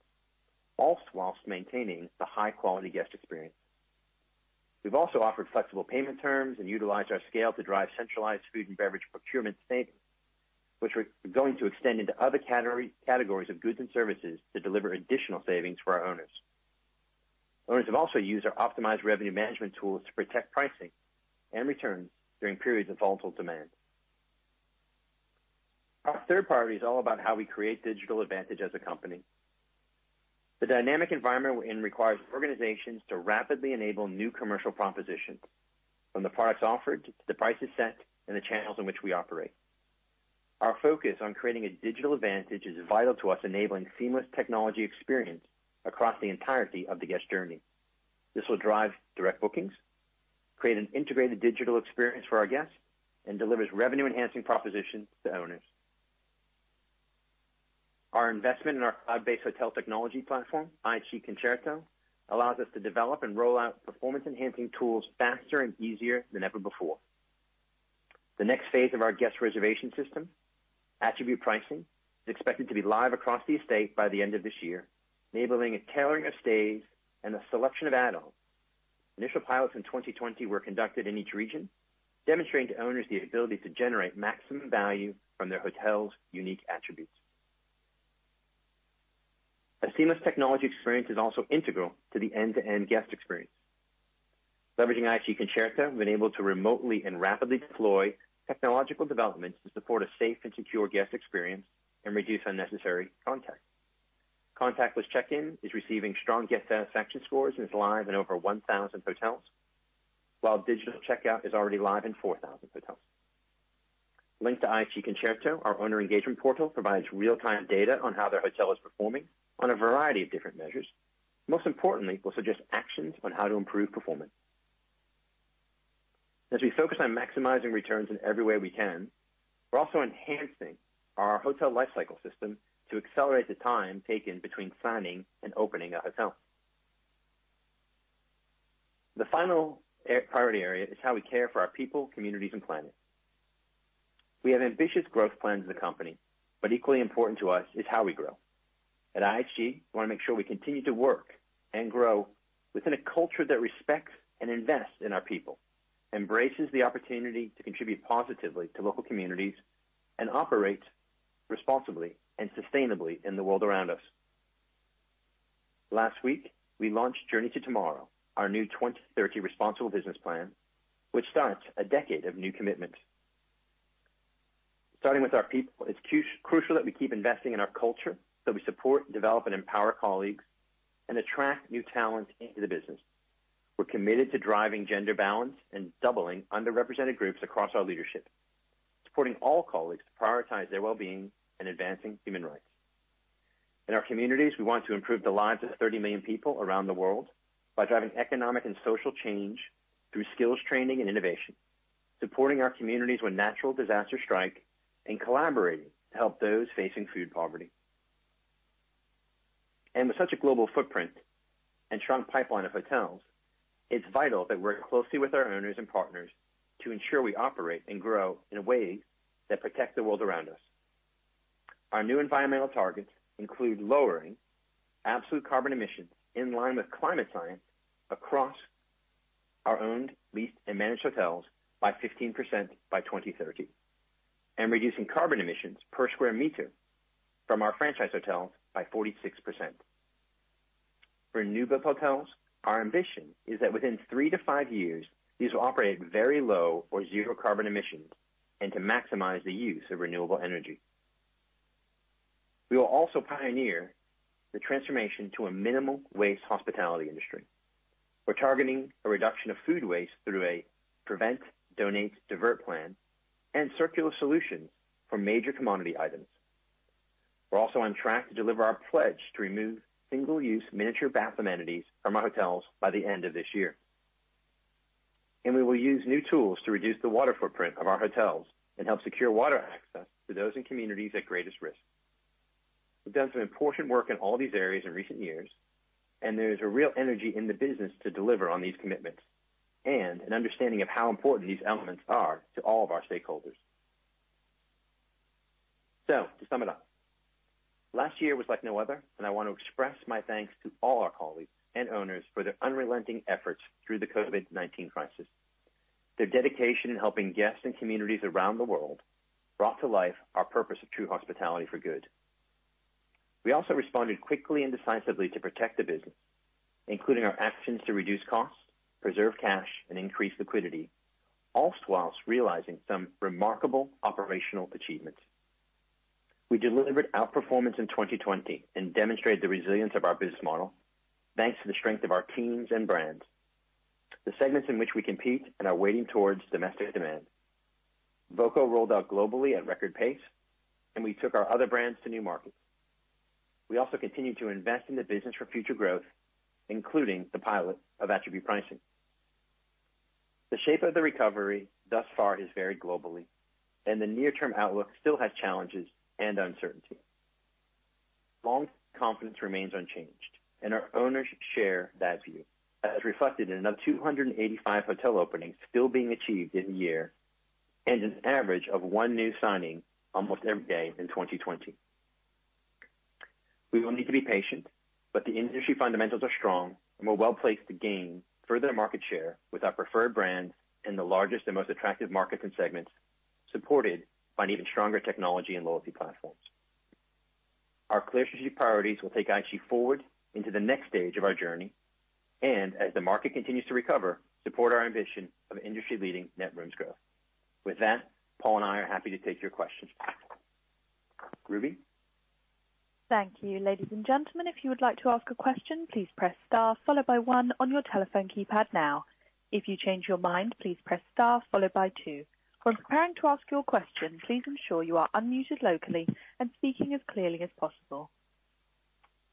all while maintaining the high-quality guest experience. We've also offered flexible payment terms and utilized our scale to drive centralized food and beverage procurement savings, which we're going to extend into other categories of goods and services to deliver additional savings for our owners. Owners have also used our optimized revenue management tools to protect pricing and returns during periods of volatile demand. Our third priority is all about how we create digital advantage as a company. The dynamic environment requires organizations to rapidly enable new commercial propositions, from the products offered to the prices set, and the channels in which we operate. Our focus on creating a digital advantage is vital to us enabling seamless technology experience across the entirety of the guest journey. This will drive direct bookings, create an integrated digital experience for our guests, and delivers revenue-enhancing propositions to owners. Our investment in our cloud-based hotel technology platform, IHG Concerto, allows us to develop and roll out performance-enhancing tools faster and easier than ever before. The next phase of our guest reservation system, attribute pricing, is expected to be live across the estate by the end of this year, enabling a tailoring of stays and the selection of add-ons. Initial pilots in 2020 were conducted in each region, demonstrating to owners the ability to generate maximum value from their hotel's unique attributes. A seamless technology experience is also integral to the end-to-end guest experience. Leveraging IHG Concerto, we've been able to remotely and rapidly deploy technological developments to support a safe and secure guest experience and reduce unnecessary contact. Contactless check-in is receiving strong guest satisfaction scores and is live in over 1,000 hotels, while digital checkout is already live in 4,000 hotels. Linked to IHG Concerto, our owner engagement portal provides real-time data on how their hotel is performing on a variety of different measures. Most importantly, will suggest actions on how to improve performance. As we focus on maximizing returns in every way we can, we're also enhancing our hotel life cycle system to accelerate the time taken between signing and opening a hotel. The final priority area is how we care for our people, communities, and planet. Equally important to us is how we grow. At IHG, we want to make sure we continue to work and grow within a culture that respects and invests in our people, embraces the opportunity to contribute positively to local communities, and operates responsibly and sustainably in the world around us. Last week, we launched Journey to Tomorrow, our new 2030 responsible business plan, which starts a decade of new commitment. Starting with our people, it's crucial that we keep investing in our culture, that we support, develop, and empower colleagues, and attract new talent into the business. We're committed to driving gender balance and doubling underrepresented groups across our leadership, supporting all colleagues to prioritize their well-being and advancing human rights. In our communities, we want to improve the lives of 30 million people around the world by driving economic and social change through skills training and innovation, supporting our communities when natural disasters strike, and collaborating to help those facing food poverty. With such a global footprint and strong pipeline of hotels, it's vital that we work closely with our owners and partners to ensure we operate and grow in ways that protect the world around us. Our new environmental targets include lowering absolute carbon emissions in line with climate science across our owned, leased, and managed hotels by 15% by 2030, and reducing carbon emissions per sq m from our franchise hotels by 46%. For new build hotels, our ambition is that within three to five years, these will operate very low or zero carbon emissions and to maximize the use of renewable energy. We will also pioneer the transformation to a minimal waste hospitality industry. We're targeting a reduction of food waste through a prevent, donate, divert plan, and circular solutions for major commodity items. We're also on track to deliver our pledge to remove single-use miniature bath amenities from our hotels by the end of this year. We will use new tools to reduce the water footprint of our hotels and help secure water access to those in communities at greatest risk. We've done some important work in all these areas in recent years, and there is a real energy in the business to deliver on these commitments, and an understanding of how important these elements are to all of our stakeholders. To sum it up, last year was like no other, and I want to express my thanks to all our colleagues and owners for their unrelenting efforts through the COVID-19 crisis. Their dedication in helping guests and communities around the world brought to life our purpose of true hospitality for good. We also responded quickly and decisively to protect the business, including our actions to reduce costs, preserve cash, and increase liquidity, all while realizing some remarkable operational achievements. We delivered outperformance in 2020 and demonstrated the resilience of our business model, thanks to the strength of our teams and brands, the segments in which we compete, and our weighting towards domestic demand. Voco rolled out globally at record pace, and we took our other brands to new markets. We also continued to invest in the business for future growth, including the pilot of attribute pricing. The shape of the recovery thus far is varied globally, and the near-term outlook still has challenges and uncertainty. Long confidence remains unchanged, and our owners share that view, as reflected in another 285 hotel openings still being achieved in the year, and an average of one new signing almost every day in 2020. We will need to be patient, but the industry fundamentals are strong, and we're well-placed to gain further market share with our preferred brands in the largest and most attractive markets and segments, supported by an even stronger technology and loyalty platforms. Our clear strategic priorities will take IHG forward into the next stage of our journey, and as the market continues to recover, support our ambition of industry-leading net rooms growth. With that, Paul and I are happy to take your questions. Ruby? Thank you. Ladies and gentlemen, if you would like to ask a question, please press star followed by one on your telephone keypad now. If you change your mind, please press star followed by two. When preparing to ask your question, please ensure you are unmuted locally and speaking as clearly as possible.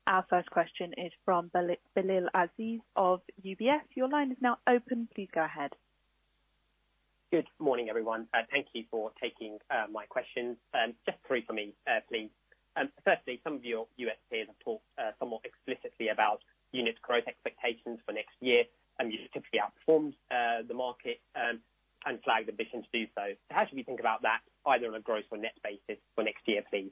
Our first question is from Bilal Aziz of UBS. Your line is now open. Please go ahead. Good morning, everyone. Thank you for taking my questions. Just three for me, please. Firstly, some of your U.S. peers have talked somewhat explicitly about unit growth expectations for next year, and you typically outperformed the market and flagged ambition to do so. How should we think about that, either on a gross or net basis for next year, please?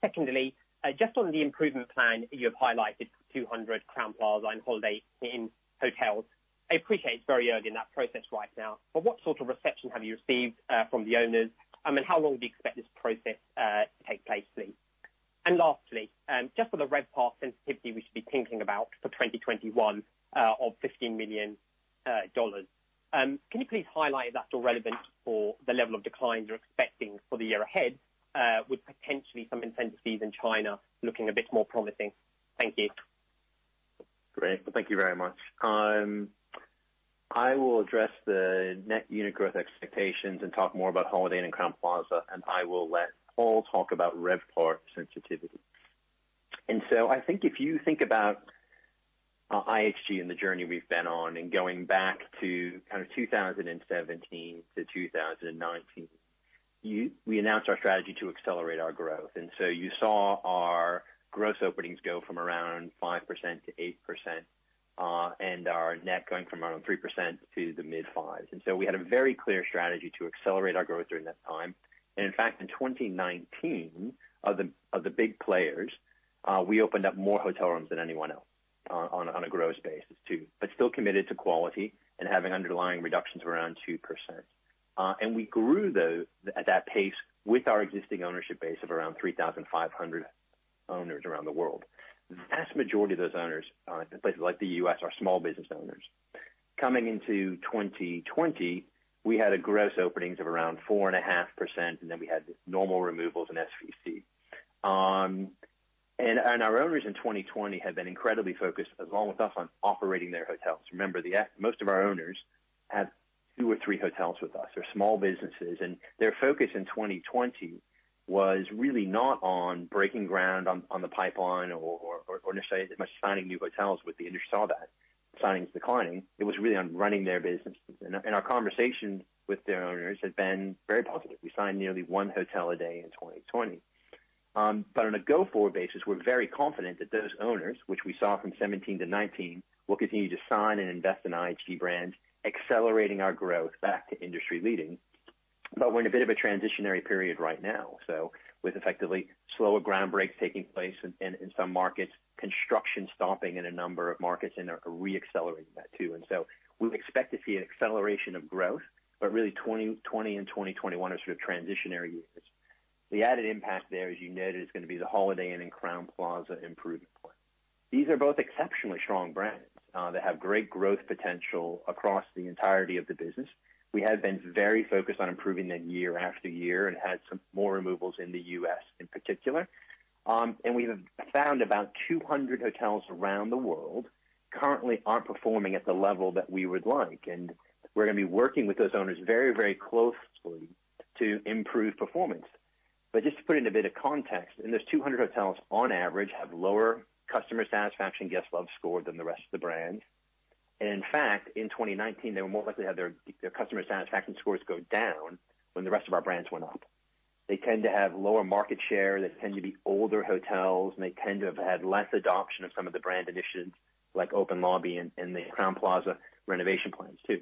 Secondly, just on the improvement plan, you have highlighted 200 Crowne Plaza and Holiday Inn hotels. I appreciate it's very early in that process right now, but what sort of reception have you received from the owners, and how long would you expect this process to take place, please? Lastly, just on the RevPAR sensitivity we should be thinking about for 2021 of $15 million. Can you please highlight if that's still relevant for the level of declines you're expecting for the year ahead, with potentially some intensities in China looking a bit more promising? Thank you. Great. Thank you very much. I will address the net unit growth expectations and talk more about Holiday and Crowne Plaza, and I will let Paul talk about RevPAR sensitivity. I think if you think about IHG and the journey we've been on, going back to kind of 2017 to 2019, we announced our strategy to accelerate our growth. You saw our gross openings go from around 5% to 8%, and our net going from around 3% to the mid fives. In fact, in 2019, of the big players, we opened up more hotel rooms than anyone else on a gross basis too. Still committed to quality and having underlying reductions around 2%. We grew at that pace with our existing ownership base of around 3,500 owners around the world. The vast majority of those owners in places like the U.S. are small business owners. Coming into 2020, we had gross openings of around 4.5%, and then we had normal removals and SVC. Our owners in 2020 had been incredibly focused, along with us, on operating their hotels. Remember, most of our owners have two or three hotels with us. They're small businesses, and their focus in 2020 was really not on breaking ground on the pipeline or necessarily as much signing new hotels with the industry saw that, signings declining. It was really on running their businesses. Our conversations with the owners had been very positive. We signed nearly one hotel a day in 2020. On a go-forward basis, we're very confident that those owners, which we saw from 2017 to 2019, will continue to sign and invest in IHG brands, accelerating our growth back to industry leading. We're in a bit of a transitionary period right now. With effectively slower ground breaks taking place in some markets, construction stopping in a number of markets, and they're re-accelerating that too. We expect to see an acceleration of growth, but really 2020 and 2021 are sort of transitionary years. The added impact there, as you noted, is going to be the Holiday Inn and Crowne Plaza improvement plan. These are both exceptionally strong brands that have great growth potential across the entirety of the business. We have been very focused on improving them year-after-year and had some more removals in the U.S. in particular. We have found about 200 hotels around the world currently aren't performing at the level that we would like. We're going to be working with those owners very closely to improve performance. Just to put it in a bit of context, there's 200 hotels on average have lower customer satisfaction guest love score than the rest of the brand. In fact, in 2019, they were more likely to have their customer satisfaction scores go down when the rest of our brands went up. They tend to have lower market share. They tend to be older hotels, they tend to have had less adoption of some of the brand initiatives like open lobby and the Crowne Plaza renovation plans too.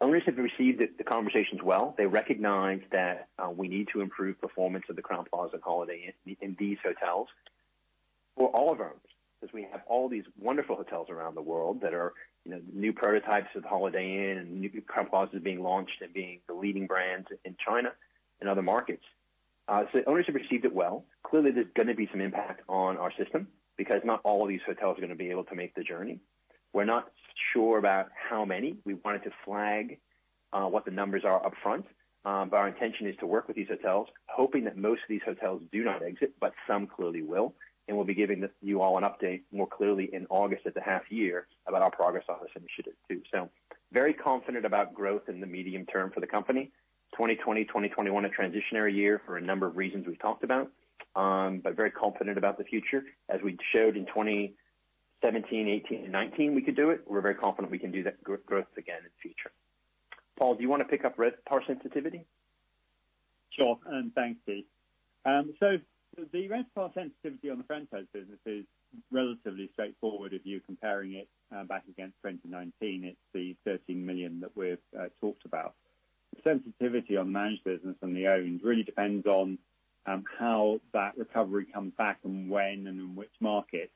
Owners have received the conversations well. They recognize that we need to improve performance of the Crowne Plaza and Holiday Inn in these hotels for all of our owners, because we have all these wonderful hotels around the world that are new prototypes of Holiday Inn and new Crowne Plaza being launched and being the leading brands in China and other markets. Owners have received it well. Clearly, there's going to be some impact on our system because not all of these hotels are going to be able to make the journey. We're not sure about how many. We wanted to flag what the numbers are upfront. Our intention is to work with these hotels, hoping that most of these hotels do not exit, but some clearly will. We'll be giving you all an update more clearly in August at the half year about our progress on this initiative too. Very confident about growth in the medium term for the company. 2020, 2021, a transitionary year for a number of reasons we've talked about. Very confident about the future. As we showed in 2017, 2018, and 2019, we could do it. We're very confident we can do that growth again in the future. Paul, do you want to pick up RevPAR sensitivity? Sure. Thanks, Keith. The RevPAR sensitivity on the franchise business is relatively straightforward if you're comparing it back against 2019. It's the $13 million that we've talked about. The sensitivity on managed business and the owned really depends on how that recovery comes back and when and in which markets.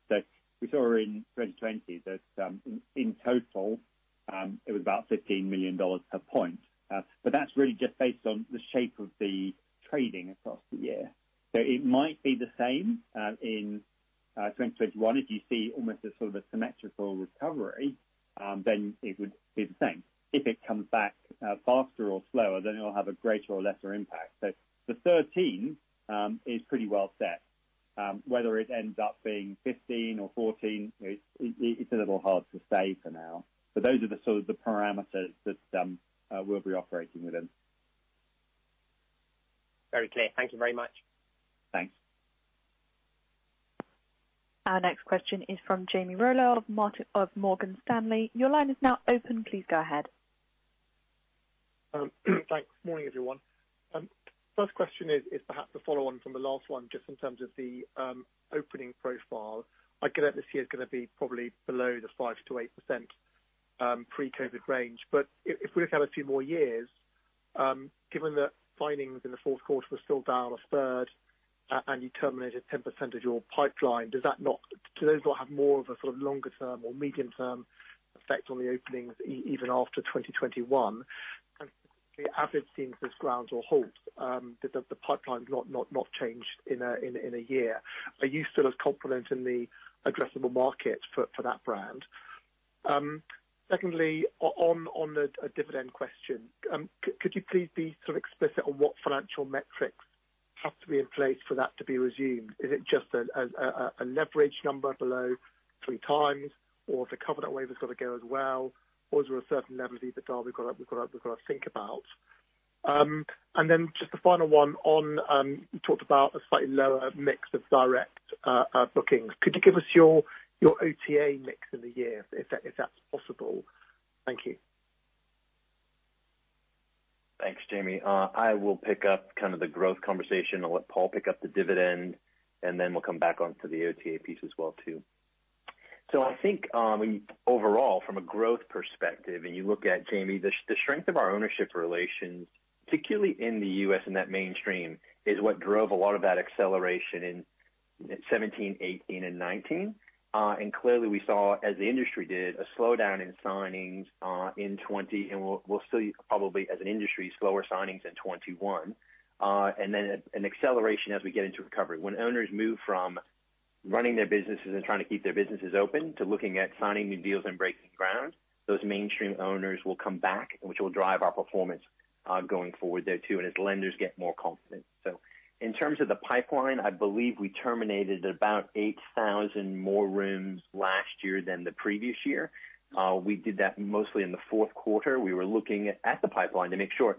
We saw in 2020 that in total, it was about $15 million per point. That's really just based on the shape of the trading across the year. It might be the same in 2021. If you see almost a sort of a symmetrical recovery, then it would be the same. If it comes back faster or slower, then it'll have a greater or lesser impact. The 13 is pretty well set. Whether it ends up being 15 or 14, it's a little hard to say for now. Those are the sort of the parameters that we'll be operating within. Very clear. Thank you very much. Thanks. Our next question is from Jamie Rollo of Morgan Stanley. Your line is now open. Please go ahead. Thanks. Morning, everyone. First question is perhaps a follow-on from the last one, just in terms of the opening profile. I get that this year is going to be probably below the 5%-8% pre-COVID range. If we look out a few more years, given that signings in the fourth quarter were still down a third, and you terminated 10% of your pipeline, do those not have more of a sort of longer-term or medium-term effect on the openings even after 2021? Specifically, as it seems there's grounds or halt, does the pipeline not change in a year? Are you still as confident in the addressable market for that brand? Secondly, on a dividend question, could you please be sort of explicit on what financial metrics have to be in place for that to be resumed? Is it just a leverage number below 3x? The covenant waiver has got to go as well? Is there a certain level of EBITDA we've got to think about? Just the final one on, you talked about a slightly lower mix of direct bookings. Could you give us your OTA mix in the year, if that's possible? Thank you. Thanks, Jamie. I will pick up kind of the growth conversation. I'll let Paul pick up the dividend, and then we'll come back onto the OTA piece as well, too. I think overall, from a growth perspective, you look at Jamie, the strength of our ownership relations, particularly in the U.S. and that mainstream, is what drove a lot of that acceleration in 2017, 2018, and 2019. Clearly, we saw, as the industry did, a slowdown in signings in 2020, and we'll see probably as an industry, slower signings in 2021. Then an acceleration as we get into recovery. When owners move from running their businesses and trying to keep their businesses open to looking at signing new deals and breaking ground, those mainstream owners will come back, which will drive our performance going forward there, too, and as lenders get more confident. In terms of the pipeline, I believe we terminated about 8,000 more rooms last year than the previous year. We did that mostly in the fourth quarter. We were looking at the pipeline to make sure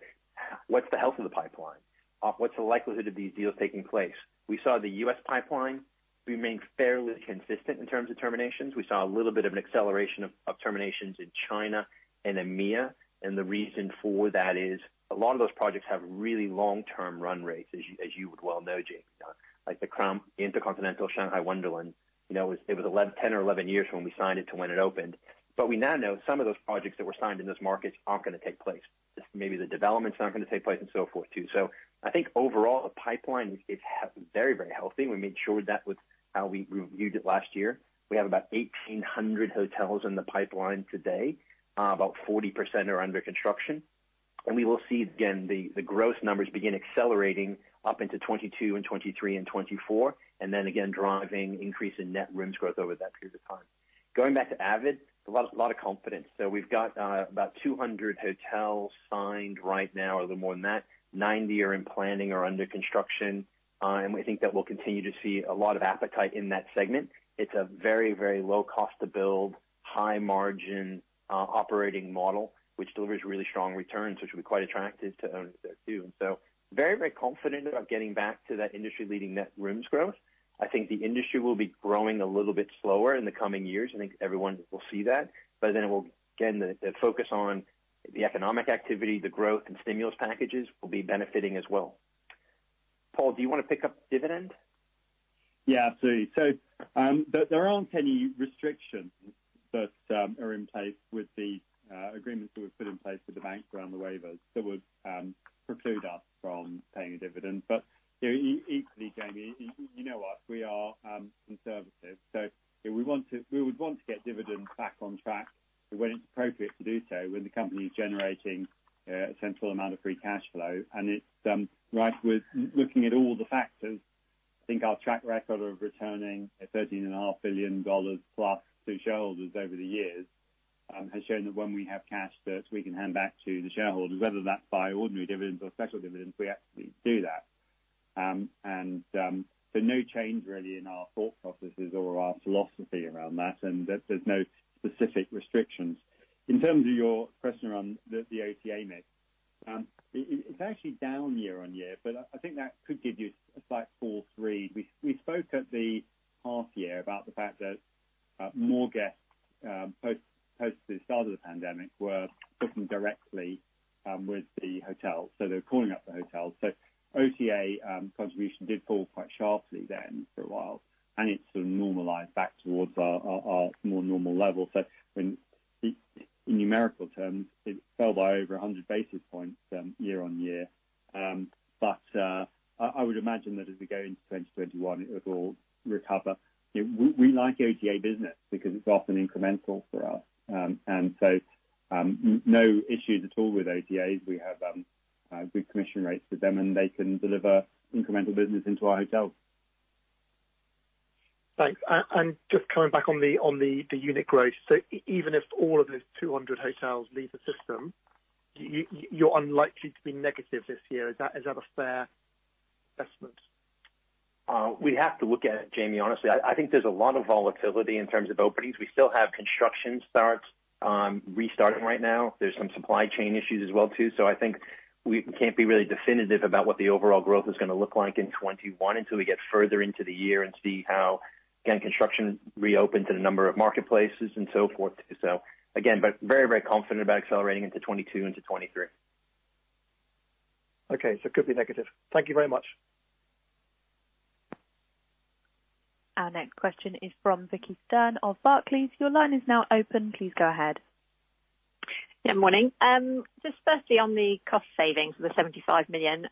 what's the health of the pipeline? What's the likelihood of these deals taking place? We saw the U.S. pipeline. We remain fairly consistent in terms of terminations. We saw a little bit of an acceleration of terminations in China and EMEA. The reason for that is a lot of those projects have really long-term run rates, as you would well know, Jamie. Like the InterContinental Shanghai Wonderland, it was 10 or 11 years from when we signed it to when it opened. We now know some of those projects that were signed in those markets aren't going to take place. Maybe the development's not going to take place and so forth, too. I think overall, the pipeline is very, very healthy. We made sure that was how we reviewed it last year. We have about 1,800 hotels in the pipeline today. About 40% are under construction. We will see, again, the growth numbers begin accelerating up into 2022 and 2023 and 2024, again, driving increase in net rooms growth over that period of time. Going back to avid, a lot of confidence. We've got about 200 hotels signed right now, a little more than that. 90 are in planning or under construction. We think that we'll continue to see a lot of appetite in that segment. It's a very, very low cost to build, high margin operating model, which delivers really strong returns, which will be quite attractive to owners there, too. Very, very confident about getting back to that industry-leading net rooms growth. I think the industry will be growing a little bit slower in the coming years. I think everyone will see that. It will, again, the focus on the economic activity, the growth and stimulus packages will be benefiting as well. Paul, do you want to pick up dividend? Yeah, absolutely. There aren't any restrictions that are in place with the agreements that we've put in place with the banks around the waivers that would preclude us from paying a dividend. Equally, Jamie, you know us, we are conservative, we would want to get dividends back on track when it's appropriate to do so when the company is generating a substantial amount of free cash flow. It's right with looking at all the factors, I think our track record of returning GBP 13.5+ billion to shareholders over the years has shown that when we have cash that we can hand back to the shareholders, whether that's by ordinary dividends or special dividends, we absolutely do that. No change, really, in our thought processes or our philosophy around that, and there's no specific restrictions. In terms of your question around the OTA mix, it is actually down year-on-year, but I think that could give you a slight false read. We spoke at the again, construction reopens in a number of marketplaces and so forth, too. Again, but very, very confident about accelerating into 2022 and to 2023. Okay. It could be negative. Thank you very much. Our next question is from Vicki Stern of Barclays. Your line is now open. Please go ahead. Yeah, morning. Just firstly, on the cost savings, the $75 million.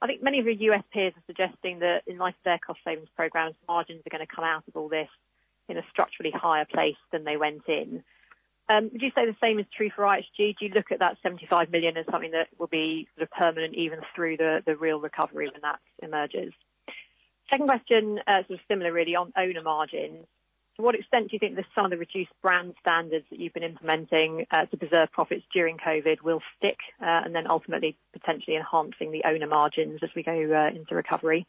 I think many of your U.S. peers are suggesting that in light of their cost savings programs, margins are going to come out of all this in a structurally higher place than they went in. Would you say the same is true for IHG? Do you look at that $75 million as something that will be sort of permanent even through the real recovery when that emerges? Second question, sort of similar really, on owner margins. To what extent do you think some of the reduced brand standards that you've been implementing to preserve profits during COVID will stick, and then ultimately, potentially enhancing the owner margins as we go into recovery?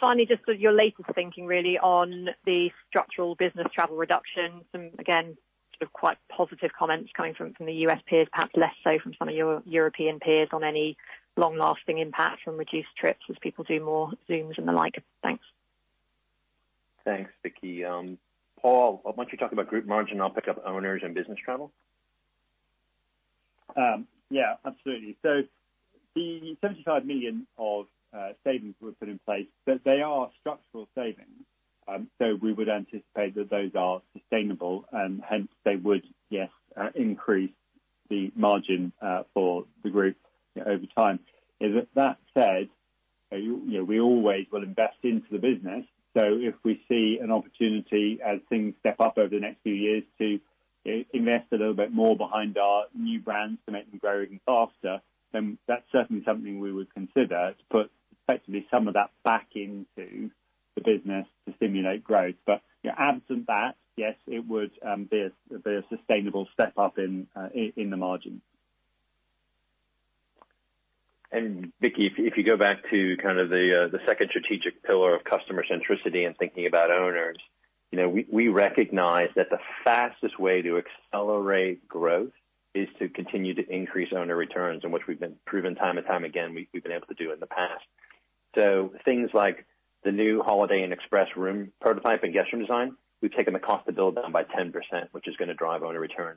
Finally, just your latest thinking really on the structural business travel reductions, and again, sort of quite positive comments coming from the U.S. peers, perhaps less so from some of your European peers on any long-lasting impact from reduced trips as people do more Zooms and the like. Thanks. Thanks, Vicki. Paul, why don't you talk about group margin? I'll pick up owners and business travel. Yeah, absolutely. The $75 million of savings were put in place, but they are structural savings. We would anticipate that those are sustainable and hence they would, yes, increase the margin for the group over time. That said, we always will invest into the business. If we see an opportunity as things step up over the next few years to invest a little bit more behind our new brands to make them grow even faster, then that's certainly something we would consider to put effectively some of that back into the business to stimulate growth. Absent that, yes, it would be a sustainable step up in the margin. Vicki, if you go back to kind of the second strategic pillar of customer centricity and thinking about owners. We recognize that the fastest way to accelerate growth is to continue to increase owner returns, and which we've been proven time and time again, we've been able to do in the past. Things like the new Holiday Inn Express room prototype and guest room design, we've taken the cost to build down by 10%, which is going to drive owner return.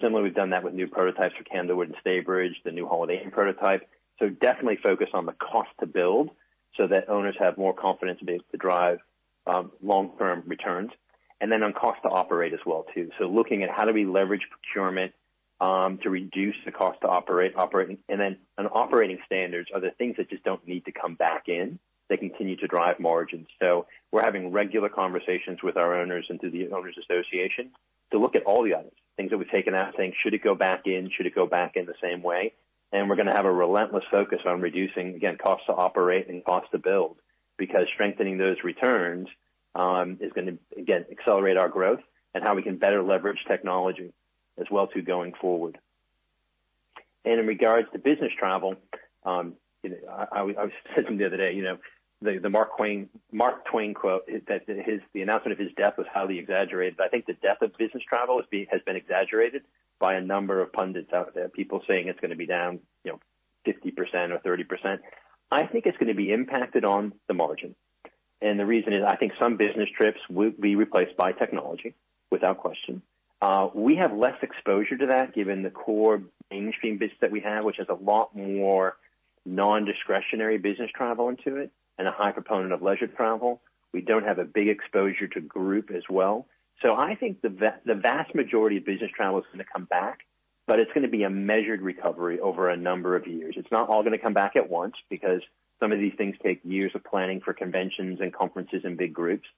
Similarly, we've done that with new prototypes for Candlewood and Staybridge, the new Holiday Inn prototype. Definitely focused on the cost to build so that owners have more confidence to be able to drive long-term returns, and then on cost to operate as well too. Looking at how do we leverage procurement to reduce the cost to operating. On operating standards are the things that just don't need to come back in, they continue to drive margins. We're having regular conversations with our owners and through the owners association to look at all the items. Things that we've taken out, saying, "Should it go back in? Should it go back in the same way?" We're going to have a relentless focus on reducing, again, cost to operate and cost to build, because strengthening those returns is going to, again, accelerate our growth and how we can better leverage technology as well too, going forward. In regards to business travel, I was saying the other day, the Mark Twain quote is that the announcement of his death was highly exaggerated. I think the death of business travel has been exaggerated by a number of pundits out there, people saying it's going to be down 50% or 30%. I think it's going to be impacted on the margin. And the reason is, I think some business trips will be replaced by technology, without question. We have less exposure to that given the core mainstream business that we have, which has a lot more non-discretionary business travel into it and a high proponent of leisure travel. We don't have a big exposure to group as well. I think the vast majority of business travel is going to come back, but it's going to be a measured recovery over a number of years. It's not all going to come back at once because some of these things take years of planning for conventions and conferences and big groups.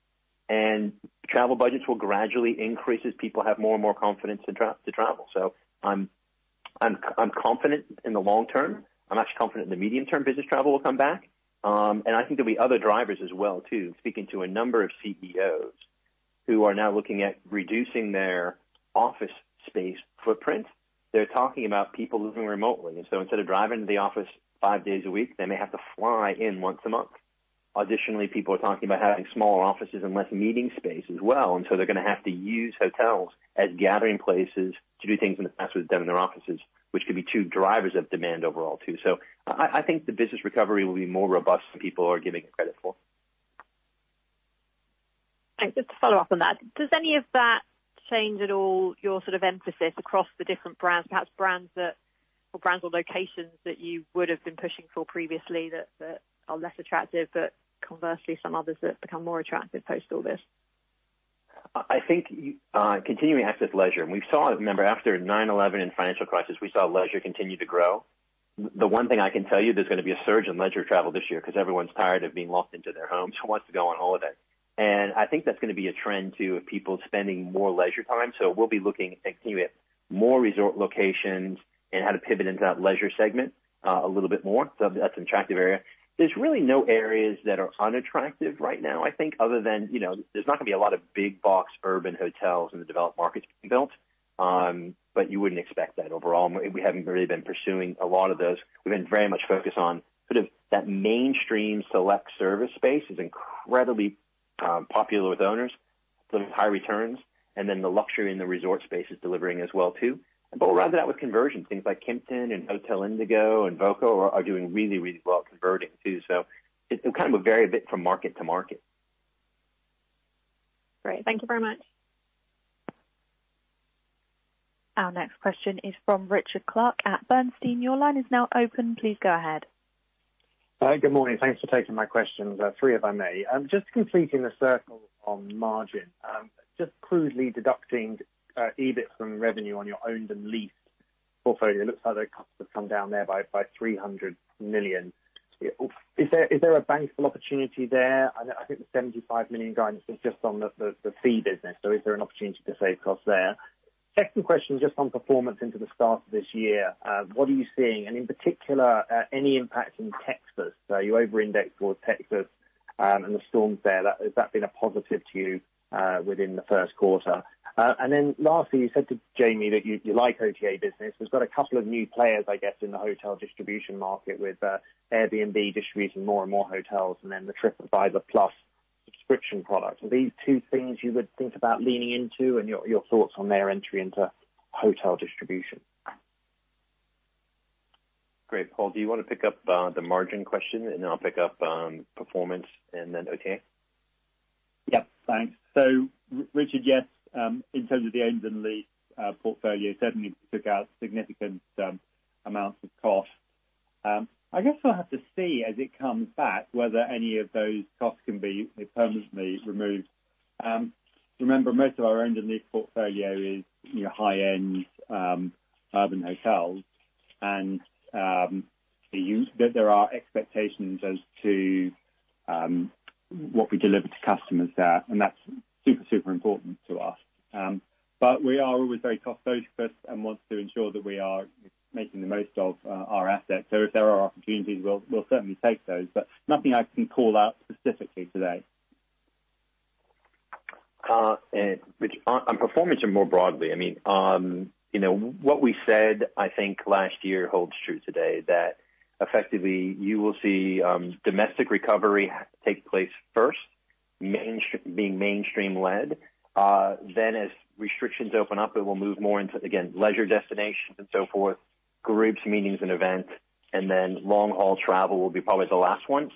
Travel budgets will gradually increase as people have more and more confidence to travel. I'm confident in the long term. I'm actually confident in the medium term, business travel will come back. I think there'll be other drivers as well too. Speaking to a number of CEOs who are now looking at reducing their office space footprint. They're talking about people living remotely, and so instead of driving to the office five days a week, they may have to fly in once a month. Additionally, people are talking about having smaller offices and less meeting space as well, and so they're going to have to use hotels as gathering places to do things in the past was done in their offices, which could be two drivers of demand overall too. I think the business recovery will be more robust than people are giving it credit for. Thanks. Just to follow up on that, does any of that change at all your sort of emphasis across the different brands, perhaps brands or locations that you would've been pushing for previously that are less attractive, but conversely, some others that have become more attractive post all this? I think continuing access leisure. We saw, remember, after 9/11 and financial crisis, we saw leisure continue to grow. The one thing I can tell you, there's going to be a surge in leisure travel this year because everyone's tired of being locked into their homes and wants to go on holiday. I think that's going to be a trend too, of people spending more leisure time. We'll be looking at continuing at more resort locations and how to pivot into that leisure segment a little bit more. That's an attractive area. There's really no areas that are unattractive right now, I think other than there's not going to be a lot of big box urban hotels in the developed markets being built. You wouldn't expect that overall, and we haven't really been pursuing a lot of those. We've been very much focused on sort of that mainstream select service space is incredibly popular with owners, sort of high returns, and then the luxury and the resort space is delivering as well too. We'll round it out with conversion. Things like Kimpton and Hotel Indigo and voco are doing really, really well at converting too. It kind of will vary a bit from market to market. Great. Thank you very much. Our next question is from Richard Clarke at Bernstein. Your line is now open. Please go ahead. Hi. Good morning. Thanks for taking my questions. Three, if I may. Just completing the circle on margin. Just crudely deducting EBIT from revenue on your owned and leased portfolio, looks like the cuts have come down there by $300 million. Is there a bankable opportunity there? I think the $75 million guidance is just on the fee business, so is there an opportunity to save costs there? Second question, just on performance into the start of this year. What are you seeing? In particular, any impact in Texas? You over-indexed towards Texas and the storms there. Has that been a positive to you within the first quarter? Lastly, you said to Jamie that you like OTA business. We've got a couple of new players, I guess, in the hotel distribution market with Airbnb distributing more and more hotels, and then the TripAdvisor Plus subscription product. Are these two things you would think about leaning into, and your thoughts on their entry into hotel distribution? Great. Paul, do you want to pick up the margin question and then I'll pick up on performance and then OTA? Yep. Thanks. Richard, yes, in terms of the owned and leased portfolio, certainly we took out significant amounts of cost. I guess we'll have to see as it comes back whether any of those costs can be permanently removed. Remember, most of our owned and leased portfolio is high-end urban hotels and there are expectations as to what we deliver to customers there, and that's super important to us. We are always very cost focused and want to ensure that we are making the most of our assets. If there are opportunities, we'll certainly take those, but nothing I can call out specifically today. Richard, on performance and more broadly, what we said I think last year holds true today, that effectively you will see domestic recovery take place first. Mainstream being mainstream-led. As restrictions open up, it will move more into, again, leisure destinations and so forth, groups, meetings, and events, and then long-haul travel will be probably the last one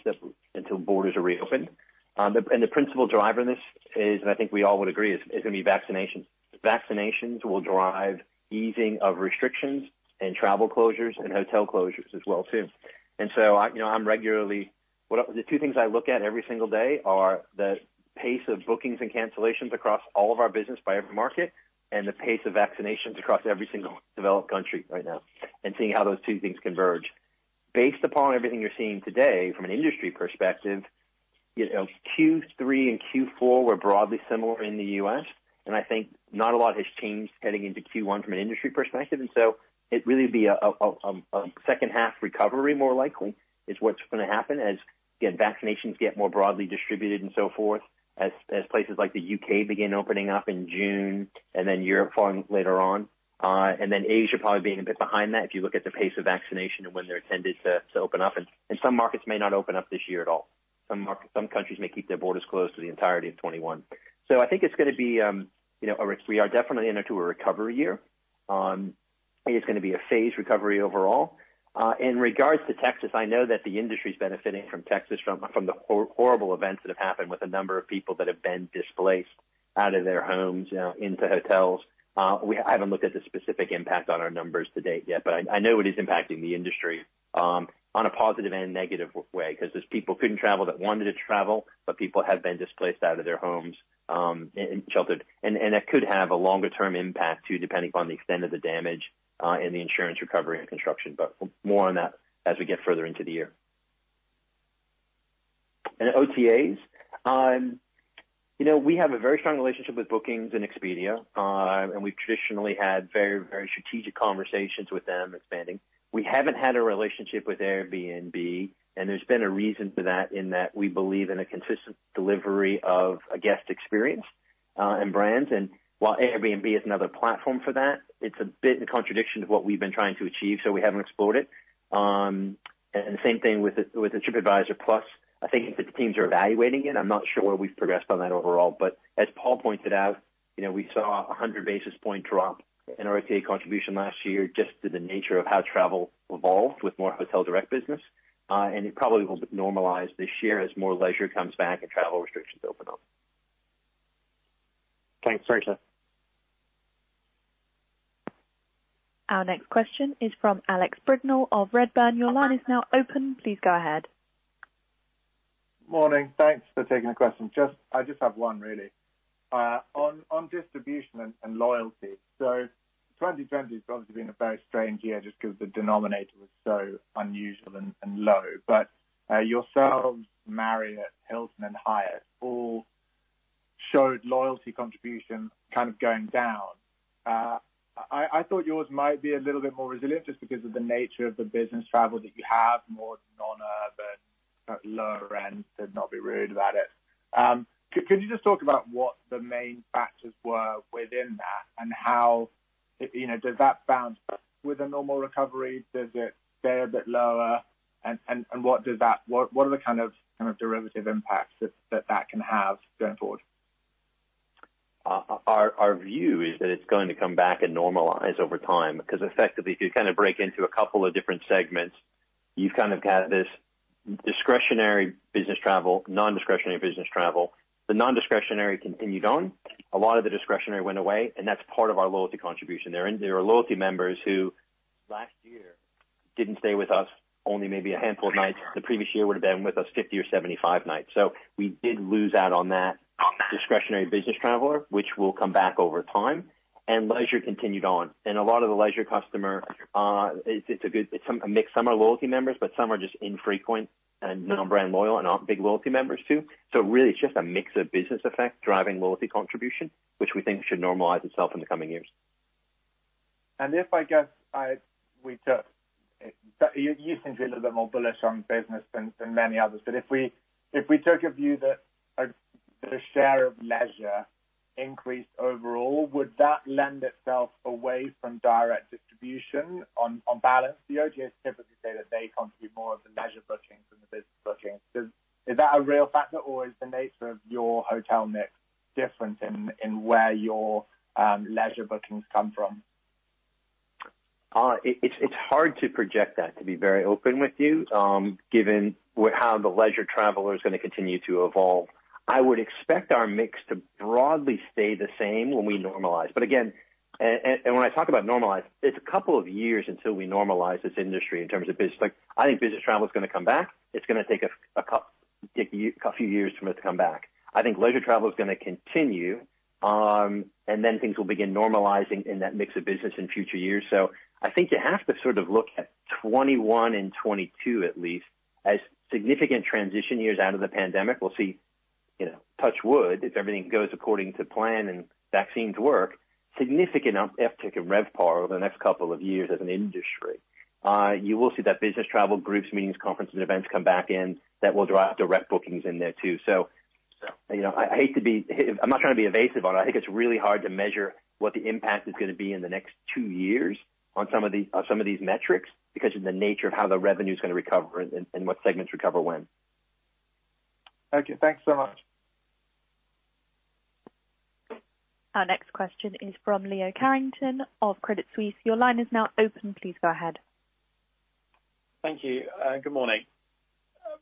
until borders are reopened. The principal driver in this is, and I think we all would agree, is going to be vaccinations. Vaccinations will drive easing of restrictions and travel closures and hotel closures as well too. The two things I look at every single day are the pace of bookings and cancellations across all of our business by every market, and the pace of vaccinations across every single developed country right now, and seeing how those two things converge. Based upon everything you're seeing today, from an industry perspective, Q3 and Q4 were broadly similar in the U.S., I think not a lot has changed heading into Q1 from an industry perspective. It really would be a second half recovery, more likely, is what's going to happen as, again, vaccinations get more broadly distributed and so forth, as places like the U.K. begin opening up in June, and then Europe following later on. Asia probably being a bit behind that if you look at the pace of vaccination and when they're intended to open up. Some markets may not open up this year at all. Some countries may keep their borders closed through the entirety of 2021. I think we are definitely into a recovery year. I think it's going to be a phased recovery overall. In regards to Texas, I know that the industry's benefiting from Texas from the horrible events that have happened with a number of people that have been displaced out of their homes into hotels. I haven't looked at the specific impact on our numbers to date yet, but I know it is impacting the industry on a positive and negative way because there's people couldn't travel that wanted to travel, but people have been displaced out of their homes and sheltered. That could have a longer-term impact too, depending upon the extent of the damage and the insurance recovery and construction. More on that as we get further into the year. OTAs, we have a very strong relationship with Booking and Expedia, and we've traditionally had very strategic conversations with them expanding. We haven't had a relationship with Airbnb, and there's been a reason for that, in that we believe in a consistent delivery of a guest experience and brands. While Airbnb is another platform for that, it's a bit in contradiction to what we've been trying to achieve, so we haven't explored it. The same thing with the TripAdvisor Plus. I think the teams are evaluating it. I'm not sure where we've progressed on that overall. As Paul pointed out, we saw a 100 basis point drop in our OTA contribution last year just to the nature of how travel evolved with more hotel direct business. It probably will normalize this year as more leisure comes back and travel restrictions open up. Thanks very much. Our next question is from Alex Brignall of Redburn. Morning. Thanks for taking the question. I just have one really. On distribution and loyalty. 2020 has obviously been a very strange year just because the denominator was so unusual and low. Yourselves, Marriott, Hilton, and Hyatt all showed loyalty contribution kind of going down. I thought yours might be a little bit more resilient just because of the nature of the business travel that you have, more [nona], but lower end, to not be rude about it. Could you just talk about what the main factors were within that and how, does that bounce back with a normal recovery? Does it stay a bit lower? What are the kind of derivative impacts that that can have going forward? Our view is that it’s going to come back and normalize over time, because effectively, if you kind of break into a couple of different segments, you’ve kind of got this discretionary business travel, non-discretionary business travel. The non-discretionary continued on. A lot of the discretionary went away, and that’s part of our loyalty contribution. There are loyalty members who last year didn’t stay with us only maybe a handful of nights. The previous year would’ve been with us 50 or 75 nights. We did lose out on that discretionary business traveler, which will come back over time, and leisure continued on. A lot of the leisure customer, it’s a mix. Some are loyalty members, but some are just infrequent and non-brand loyal and aren’t big loyalty members too. Really, it's just a mix of business effect driving loyalty contribution, which we think should normalize itself in the coming years. If, I guess, you seem to be a little bit more bullish on business than many others. If we took a view that a share of leisure increased overall, would that lend itself away from direct distribution on balance? The OTAs typically say that they contribute more of the leisure bookings than the business bookings. Is that a real factor, or is the nature of your hotel mix different in where your leisure bookings come from? It's hard to project that, to be very open with you, given how the leisure traveler is going to continue to evolve. I would expect our mix to broadly stay the same when we normalize. Again, and when I talk about normalize, it's a couple of years until we normalize this industry in terms of business. I think business travel is going to come back. It's going to take a few years for it to come back. I think leisure travel is going to continue, and then things will begin normalizing in that mix of business in future years. I think you have to sort of look at 2021 and 2022 at least as significant transition years out of the pandemic. We'll see, touch wood, if everything goes according to plan and vaccines work, significant uptick in RevPAR over the next couple of years as an industry. You will see that business travel, groups, meetings, conferences, and events come back in. That will drive direct bookings in there too. I'm not trying to be evasive on it. I think it's really hard to measure what the impact is going to be in the next two years on some of these metrics because of the nature of how the revenue is going to recover and what segments recover when. Okay. Thanks so much. Our next question is from Leo Carrington of Credit Suisse. Your line is now open. Please go ahead. Thank you. Good morning.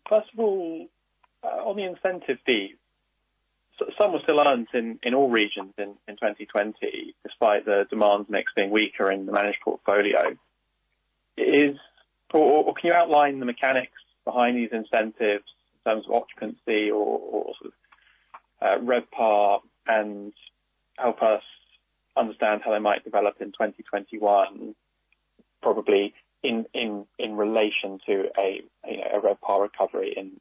First of all, on the incentive fee, some were still earned in all regions in 2020, despite the demand mix being weaker in the managed portfolio. Can you outline the mechanics behind these incentives in terms of occupancy or sort of RevPAR and help us understand how they might develop in 2021, probably in relation to a RevPAR recovery in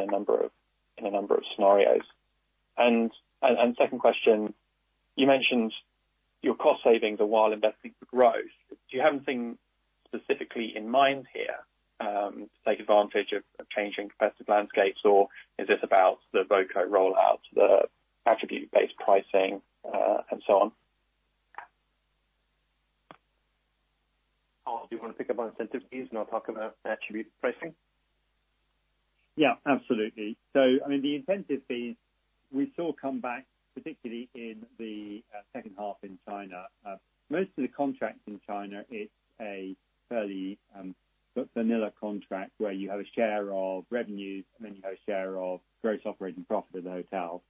a number of scenarios? Second question, you mentioned your cost savings are while investing for growth. Do you have anything specifically in mind here to take advantage of changing competitive landscapes, or is this about the voco rollout, the attribute-based pricing and so on? Paul, do you want to pick up on incentive fees, and I'll talk about attribute pricing? Yeah, absolutely. The incentive fees, we saw come back, particularly in the second half in China. Most of the contracts in China, it's a fairly vanilla contract where you have a share of revenues, and then you have a share of gross operating profit of the hotel.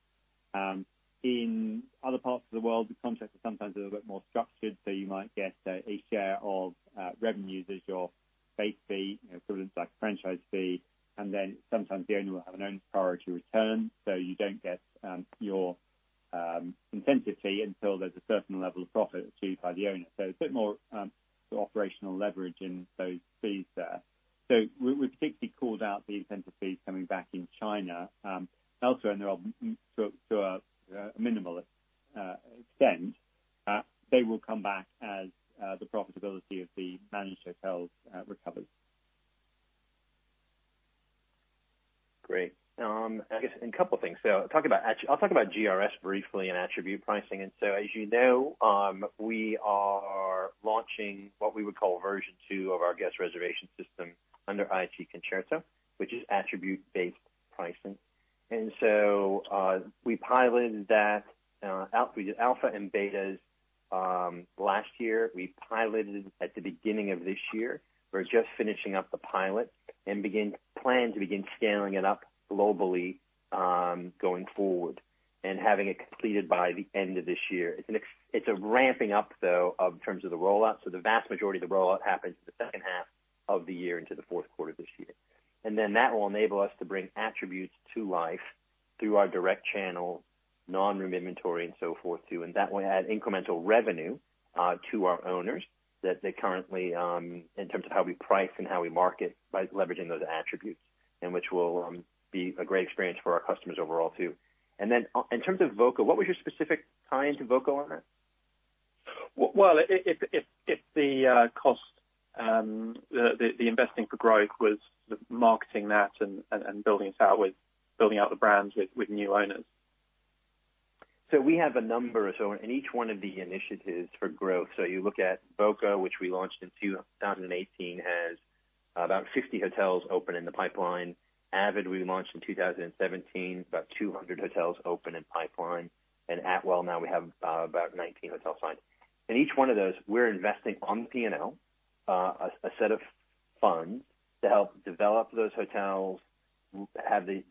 In other parts of the world, the contracts are sometimes a little bit more structured. You might get a share of revenues as your base fee, equivalent to a franchise fee, and then sometimes the owner will have an ownership priority return. You don't get your incentive fee until there's a certain level of profit achieved by the owner. A bit more operational leverage in those fees there. We particularly called out the incentive fees coming back in China. Elsewhere, to a minimal extent, they will come back as the profitability of the managed hotels recovers. Great. I guess, a couple of things. I'll talk about GRS briefly and attribute pricing. As you know, we are launching what we would call version two of our guest reservation system under IHG Concerto, which is attribute-based pricing. We piloted that. We did alphas and betas last year. We piloted at the beginning of this year. We're just finishing up the pilot and plan to begin scaling it up globally going forward and having it completed by the end of this year. It's a ramping up, though, in terms of the rollout. The vast majority of the rollout happens in the second half of the year into the fourth quarter this year. That will enable us to bring attributes to life through our direct channel, non-room inventory and so forth too. That will add incremental revenue to our owners that they currently, in terms of how we price and how we market by leveraging those attributes. Which will be a great experience for our customers overall too. In terms of voco, what was your specific tie into voco on that? Well, if the cost, the investing for growth was marketing that and building out the brands with new owners. We have a number of owners in each one of the initiatives for growth. You look at voco, which we launched in 2018, has about 50 hotels open in the pipeline. Avid, we launched in 2017, about 200 hotels open in pipeline. Atwell, now we have about 19 hotels signed. In each one of those, we're investing on the P&L, a set of funds to help develop those hotels, have the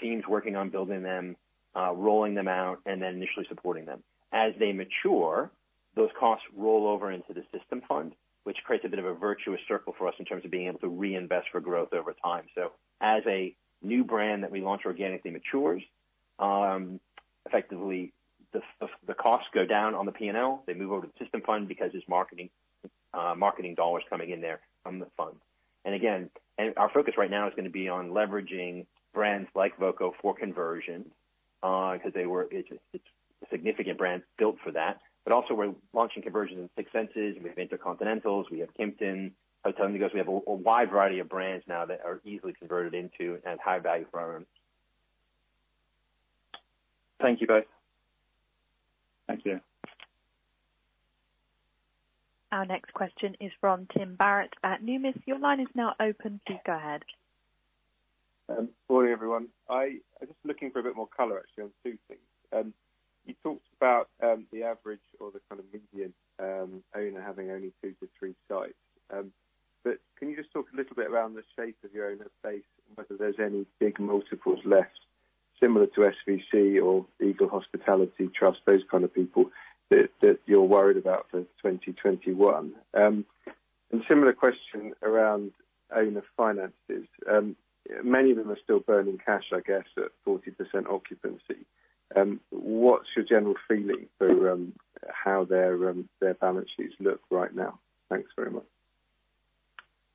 teams working on building them, rolling them out, and then initially supporting them. As they mature, those costs roll over into the system fund, which creates a bit of a virtuous circle for us in terms of being able to reinvest for growth over time. As a new brand that we launch organically matures, effectively the costs go down on the P&L. They move over to the system fund because there's marketing dollars coming in there from the fund. Again, our focus right now is going to be on leveraging brands like voco for conversion because it's a significant brand built for that. Also we're launching conversions in Six Senses, we have InterContinentals, we have Kimpton, Hotel Indigo. We have a wide variety of brands now that are easily converted into and high value for our owners. Thank you both. Thank you. Our next question is from Tim Barrett at Numis. Your line is now open. Please go ahead. Morning, everyone. I was just looking for a bit more color, actually, on two things. You talked about the average or the kind of median owner having only two to three sites. Can you just talk a little bit around the shape of your owner base and whether there's any big multiples left similar to SVC or Eagle Hospitality Trust, those kind of people that you're worried about for 2021? Similar question around owner finances. Many of them are still burning cash, I guess, at 40% occupancy. What's your general feeling for how their balance sheets look right now? Thanks very much.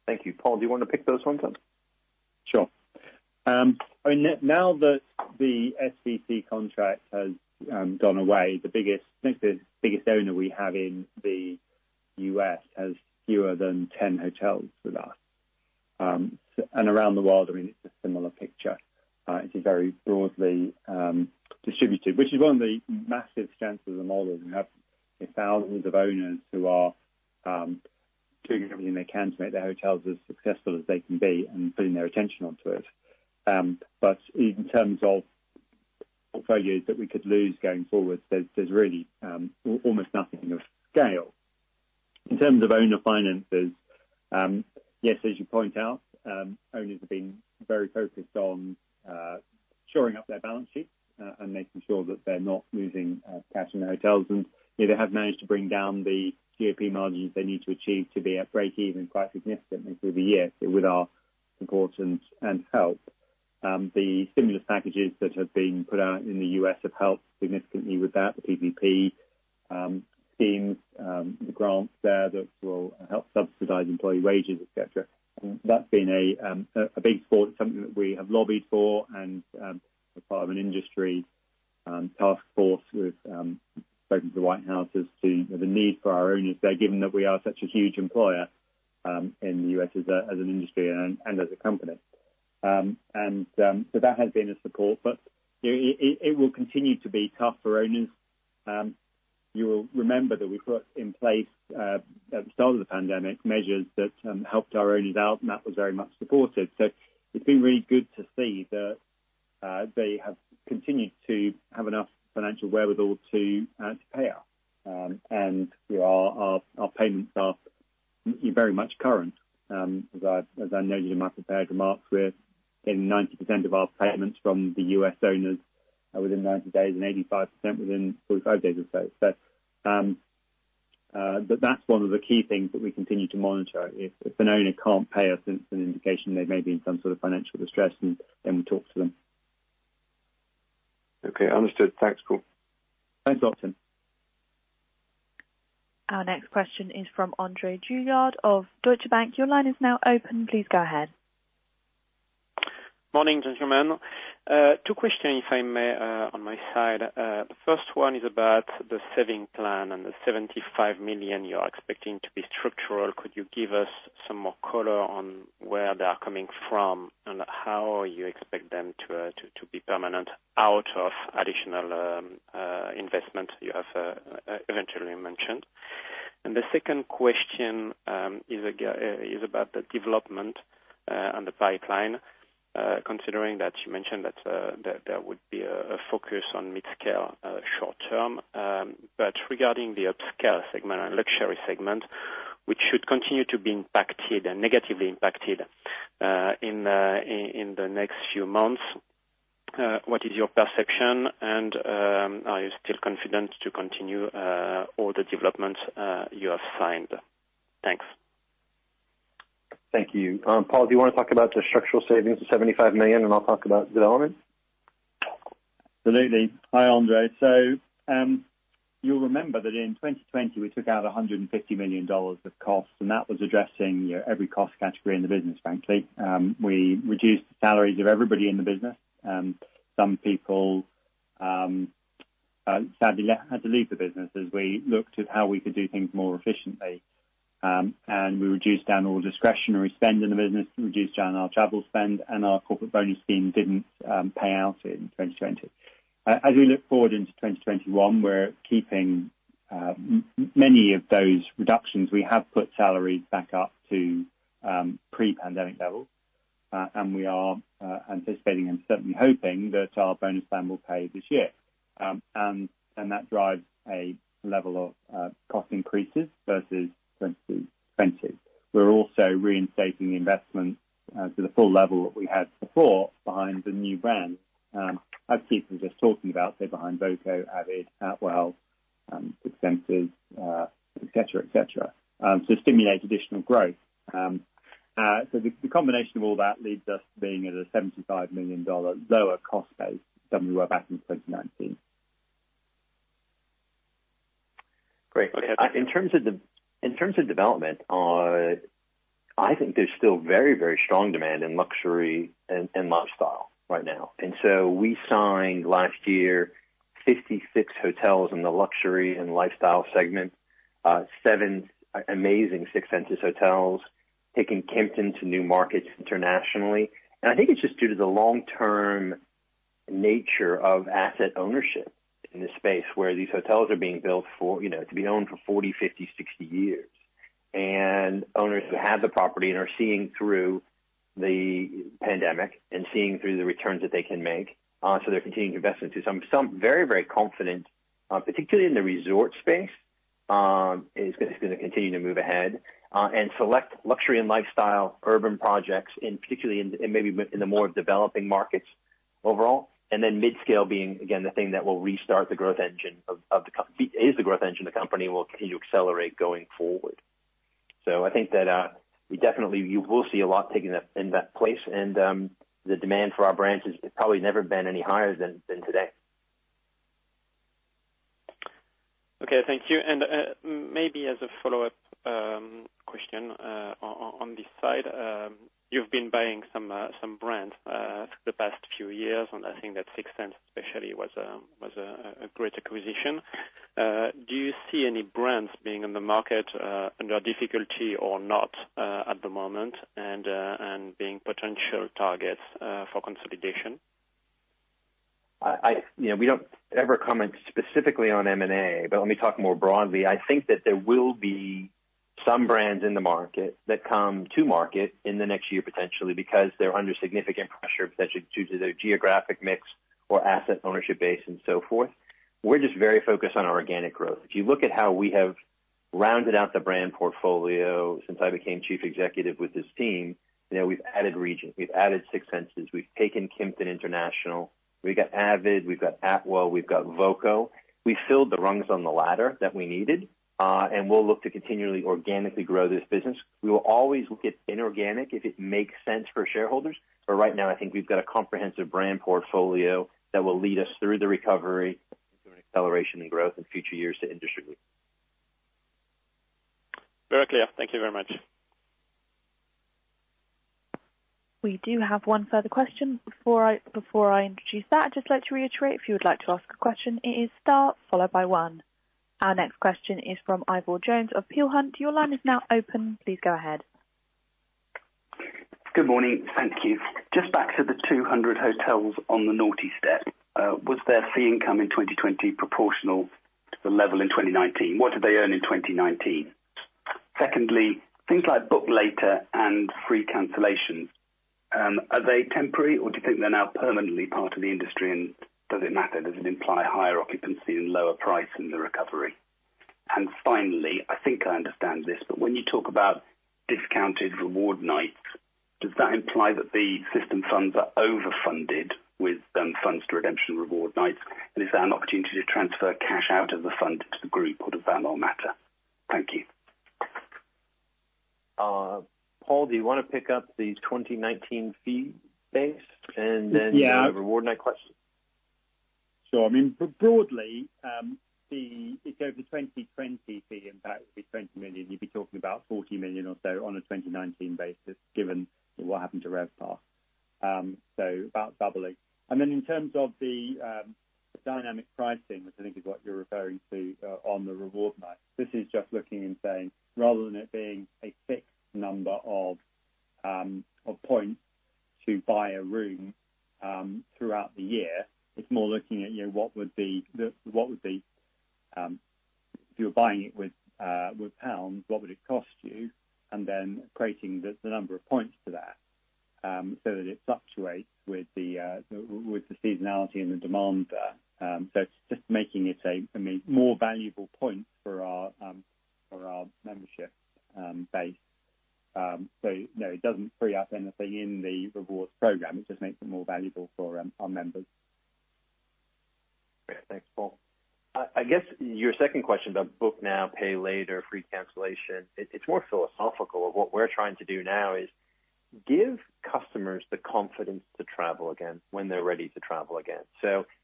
Thank you. Paul, do you want to pick those ones up? Sure. Now that the SVC contract has gone away, I think the biggest owner we have in the U.S. has fewer than 10 hotels with us. Around the world, it's a similar picture. It is very broadly distributed, which is one of the massive strengths of the model is we have thousands of owners who are doing everything they can to make their hotels as successful as they can be and putting their attention onto it. In terms of portfolios that we could lose going forward, there's really almost nothing of scale. In terms of owner finances, yes, as you point out, owners have been very focused on shoring up their balance sheets and making sure that they're not losing cash in their hotels, and they have managed to bring down the GOP margins they need to achieve to be at breakeven quite significantly through the year with our support and help. The stimulus packages that have been put out in the U.S. have helped significantly with that, the PPP schemes, the grants there that will help subsidize employee wages, et cetera. That's been a big support. It's something that we have lobbied for and as part of an industry task force, we've spoken to the White House as to the need for our owners there, given that we are such a huge employer in the U.S. as an industry and as a company. That has been a support, but it will continue to be tough for owners. You will remember that we put in place, at the start of the pandemic, measures that helped our owners out, and that was very much supported. It's been really good to see that they have continued to have enough financial wherewithal to pay us. Our payments are very much current. As I noted in my prepared remarks, we're getting 90% of our payments from the U.S. owners within 90 days and 85% within 45 days or so. That's one of the key things that we continue to monitor. If an owner can't pay us, it's an indication they may be in some sort of financial distress, and then we talk to them. Okay, understood. Thanks, Paul. Thanks, too, Tim. Our next question is from André Juillard of Deutsche Bank. Your line is now open. Please go ahead. Morning, gentlemen. Two questions, if I may, on my side. The first one is about the saving plan and the $75 million you are expecting to be structural. Could you give us some more color on where they are coming from and how you expect them to be permanent out of additional investment you have eventually mentioned? The second question is about the development and the pipeline. Considering that you mentioned that there would be a focus on mid-scale short term, but regarding the upscale segment and luxury segment, which should continue to be impacted and negatively impacted in the next few months, what is your perception, and are you still confident to continue all the developments you have signed? Thanks. Thank you. Paul, do you want to talk about the structural savings of $75 million, and I'll talk about development? Absolutely. Hi, André. You'll remember that in 2020, we took out $150 million of costs, and that was addressing every cost category in the business, frankly. We reduced the salaries of everybody in the business. Some people sadly had to leave the business as we looked at how we could do things more efficiently. We reduced down all discretionary spend in the business. We reduced down our travel spend, and our corporate bonus scheme didn't pay out in 2020. As we look forward into 2021, we're keeping many of those reductions. We have put salaries back up to pre-pandemic levels. We are anticipating and certainly hoping that our bonus plan will pay this year. That drives a level of cost increases versus expenses. We're also reinstating the investment to the full level that we had before behind the new brands as Keith was just talking about, behind voco, avid, Atwell, Six Senses, et cetera. Stimulate additional growth. The combination of all that leaves us being at a $75 million lower cost base than we were back in 2019. Great. In terms of development, I think there's still very strong demand in luxury and lifestyle right now. We signed last year 56 hotels in the luxury and lifestyle segment, seven amazing Six Senses hotels, taking Kimpton to new markets internationally. I think it's just due to the long-term nature of asset ownership in this space where these hotels are being built to be owned for 40, 50, 60 years. Owners that have the property and are seeing through the pandemic and seeing through the returns that they can make. They're continuing to invest into some very confident, particularly in the resort space, is going to continue to move ahead. Select luxury and lifestyle urban projects, and particularly in maybe in the more developing markets overall. Then mid-scale being, again, is the growth engine of the company, will continue to accelerate going forward. I think that you will see a lot taking that place, and the demand for our brands has probably never been any higher than today. Okay. Thank you. Maybe as a follow-up question on this side, you've been buying some brands for the past few years, and I think that Six Senses especially was a great acquisition. Do you see any brands being on the market under difficulty or not at the moment and being potential targets for consolidation? We don't ever comment specifically on M&A. Let me talk more broadly. I think that there will be some brands in the market that come to market in the next year, potentially because they're under significant pressure, potentially due to their geographic mix or asset ownership base and so forth. We're just very focused on our organic growth. If you look at how we have rounded out the brand portfolio since I became Chief Executive with this team, we've added Regent, we've added Six Senses, we've taken Kimpton international, we've got avid, we've got Atwell, we've got voco. We filled the rungs on the ladder that we needed. We'll look to continually organically grow this business. We will always look at inorganic if it makes sense for shareholders, but right now I think we've got a comprehensive brand portfolio that will lead us through the recovery and through an acceleration in growth in future years to industry growth. Very clear. Thank you very much. We do have one further question. Before I introduce that, I'd just like to reiterate, if you would like to ask a question, it is star followed by one. Our next question is from Ivor Jones of Peel Hunt. Your line is now open. Please go ahead. Good morning. Thank you. Just back to the 200 hotels on the naughty step. Was their fee income in 2020 proportional to the level in 2019? What did they earn in 2019? Secondly, things like Book Later and free cancellations, are they temporary, or do you think they're now permanently part of the industry, and does it matter? Does it imply higher occupancy and lower price in the recovery? Finally, I think I understand this, but when you talk about discounted reward nights, does that imply that the system funds are overfunded with funds to redemption reward nights? Is there an opportunity to transfer cash out of the fund to the group, or does that not matter? Thank you. Paul, do you want to pick up the 2019 fee base? Yeah the reward night question? Sure. Broadly, if you go for 2020 fee impact would be $20 million. You'd be talking about $40 million or so on a 2019 basis, given what happened to RevPAR. About doubling. In terms of the dynamic pricing, which I think is what you're referring to on the reward nights, this is just looking and saying, rather than it being a fixed number of points to buy a room throughout the year, it's more looking at if you were buying it with pounds, what would it cost you? Equating the number of points to that so that it fluctuates with the seasonality and the demand there. It's just making it a more valuable point for our membership base. No, it doesn't free up anything in the rewards program. It just makes it more valuable for our members. Great. Thanks, Paul. I guess your second question about Book Now, Pay Later, free cancellation, it's more philosophical. What we're trying to do now is give customers the confidence to travel again when they're ready to travel again.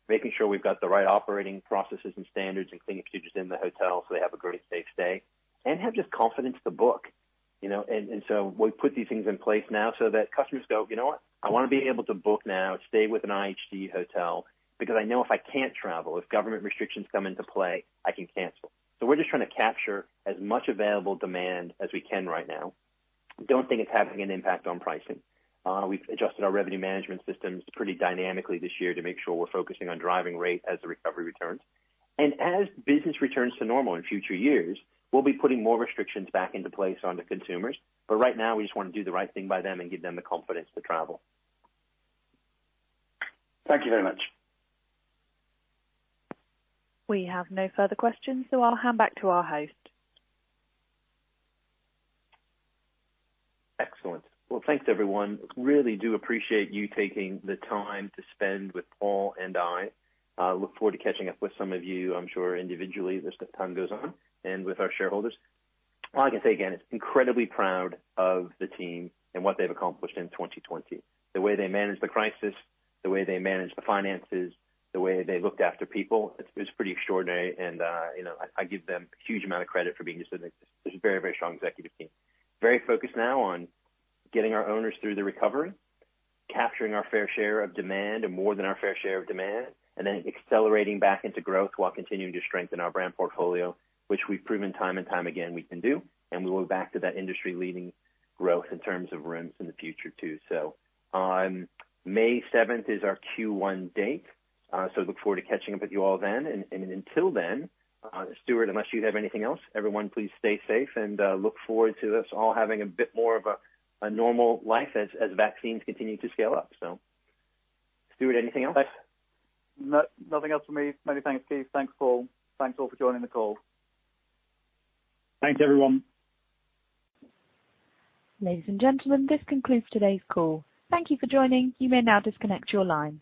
Making sure we've got the right operating processes and standards and cleaning procedures in the hotel so they have a great, safe stay, and have just confidence to book. We put these things in place now so that customers go, "You know what? I want to be able to book now, stay with an IHG hotel, because I know if I can't travel, if government restrictions come into play, I can cancel." We're just trying to capture as much available demand as we can right now. Don't think it's having an impact on pricing. We've adjusted our revenue management systems pretty dynamically this year to make sure we're focusing on driving rate as the recovery returns. As business returns to normal in future years, we'll be putting more restrictions back into place onto consumers. Right now, we just want to do the right thing by them and give them the confidence to travel. Thank you very much. We have no further questions. I'll hand back to our host. Excellent. Well, thanks everyone. Really do appreciate you taking the time to spend with Paul and I. Look forward to catching up with some of you, I'm sure individually, as time goes on, and with our shareholders. All I can say again is incredibly proud of the team and what they've accomplished in 2020. The way they managed the crisis, the way they managed the finances, the way they looked after people, it's pretty extraordinary, and I give them a huge amount of credit for being just a very, very strong executive team. Very focused now on getting our owners through the recovery, capturing our fair share of demand and more than our fair share of demand, and then accelerating back into growth while continuing to strengthen our brand portfolio, which we've proven time and time again we can do. We will go back to that industry-leading growth in terms of rooms in the future, too. On May 7th is our Q1 date, so look forward to catching up with you all then. Until then, Stuart, unless you have anything else, everyone please stay safe and look forward to us all having a bit more of a normal life as vaccines continue to scale up. Stuart, anything else? Nothing else from me. Many thanks, Keith. Thanks, Paul. Thanks all for joining the call. Thanks everyone. Ladies and gentlemen, this concludes today's call. Thank you for joining. You may now disconnect your line.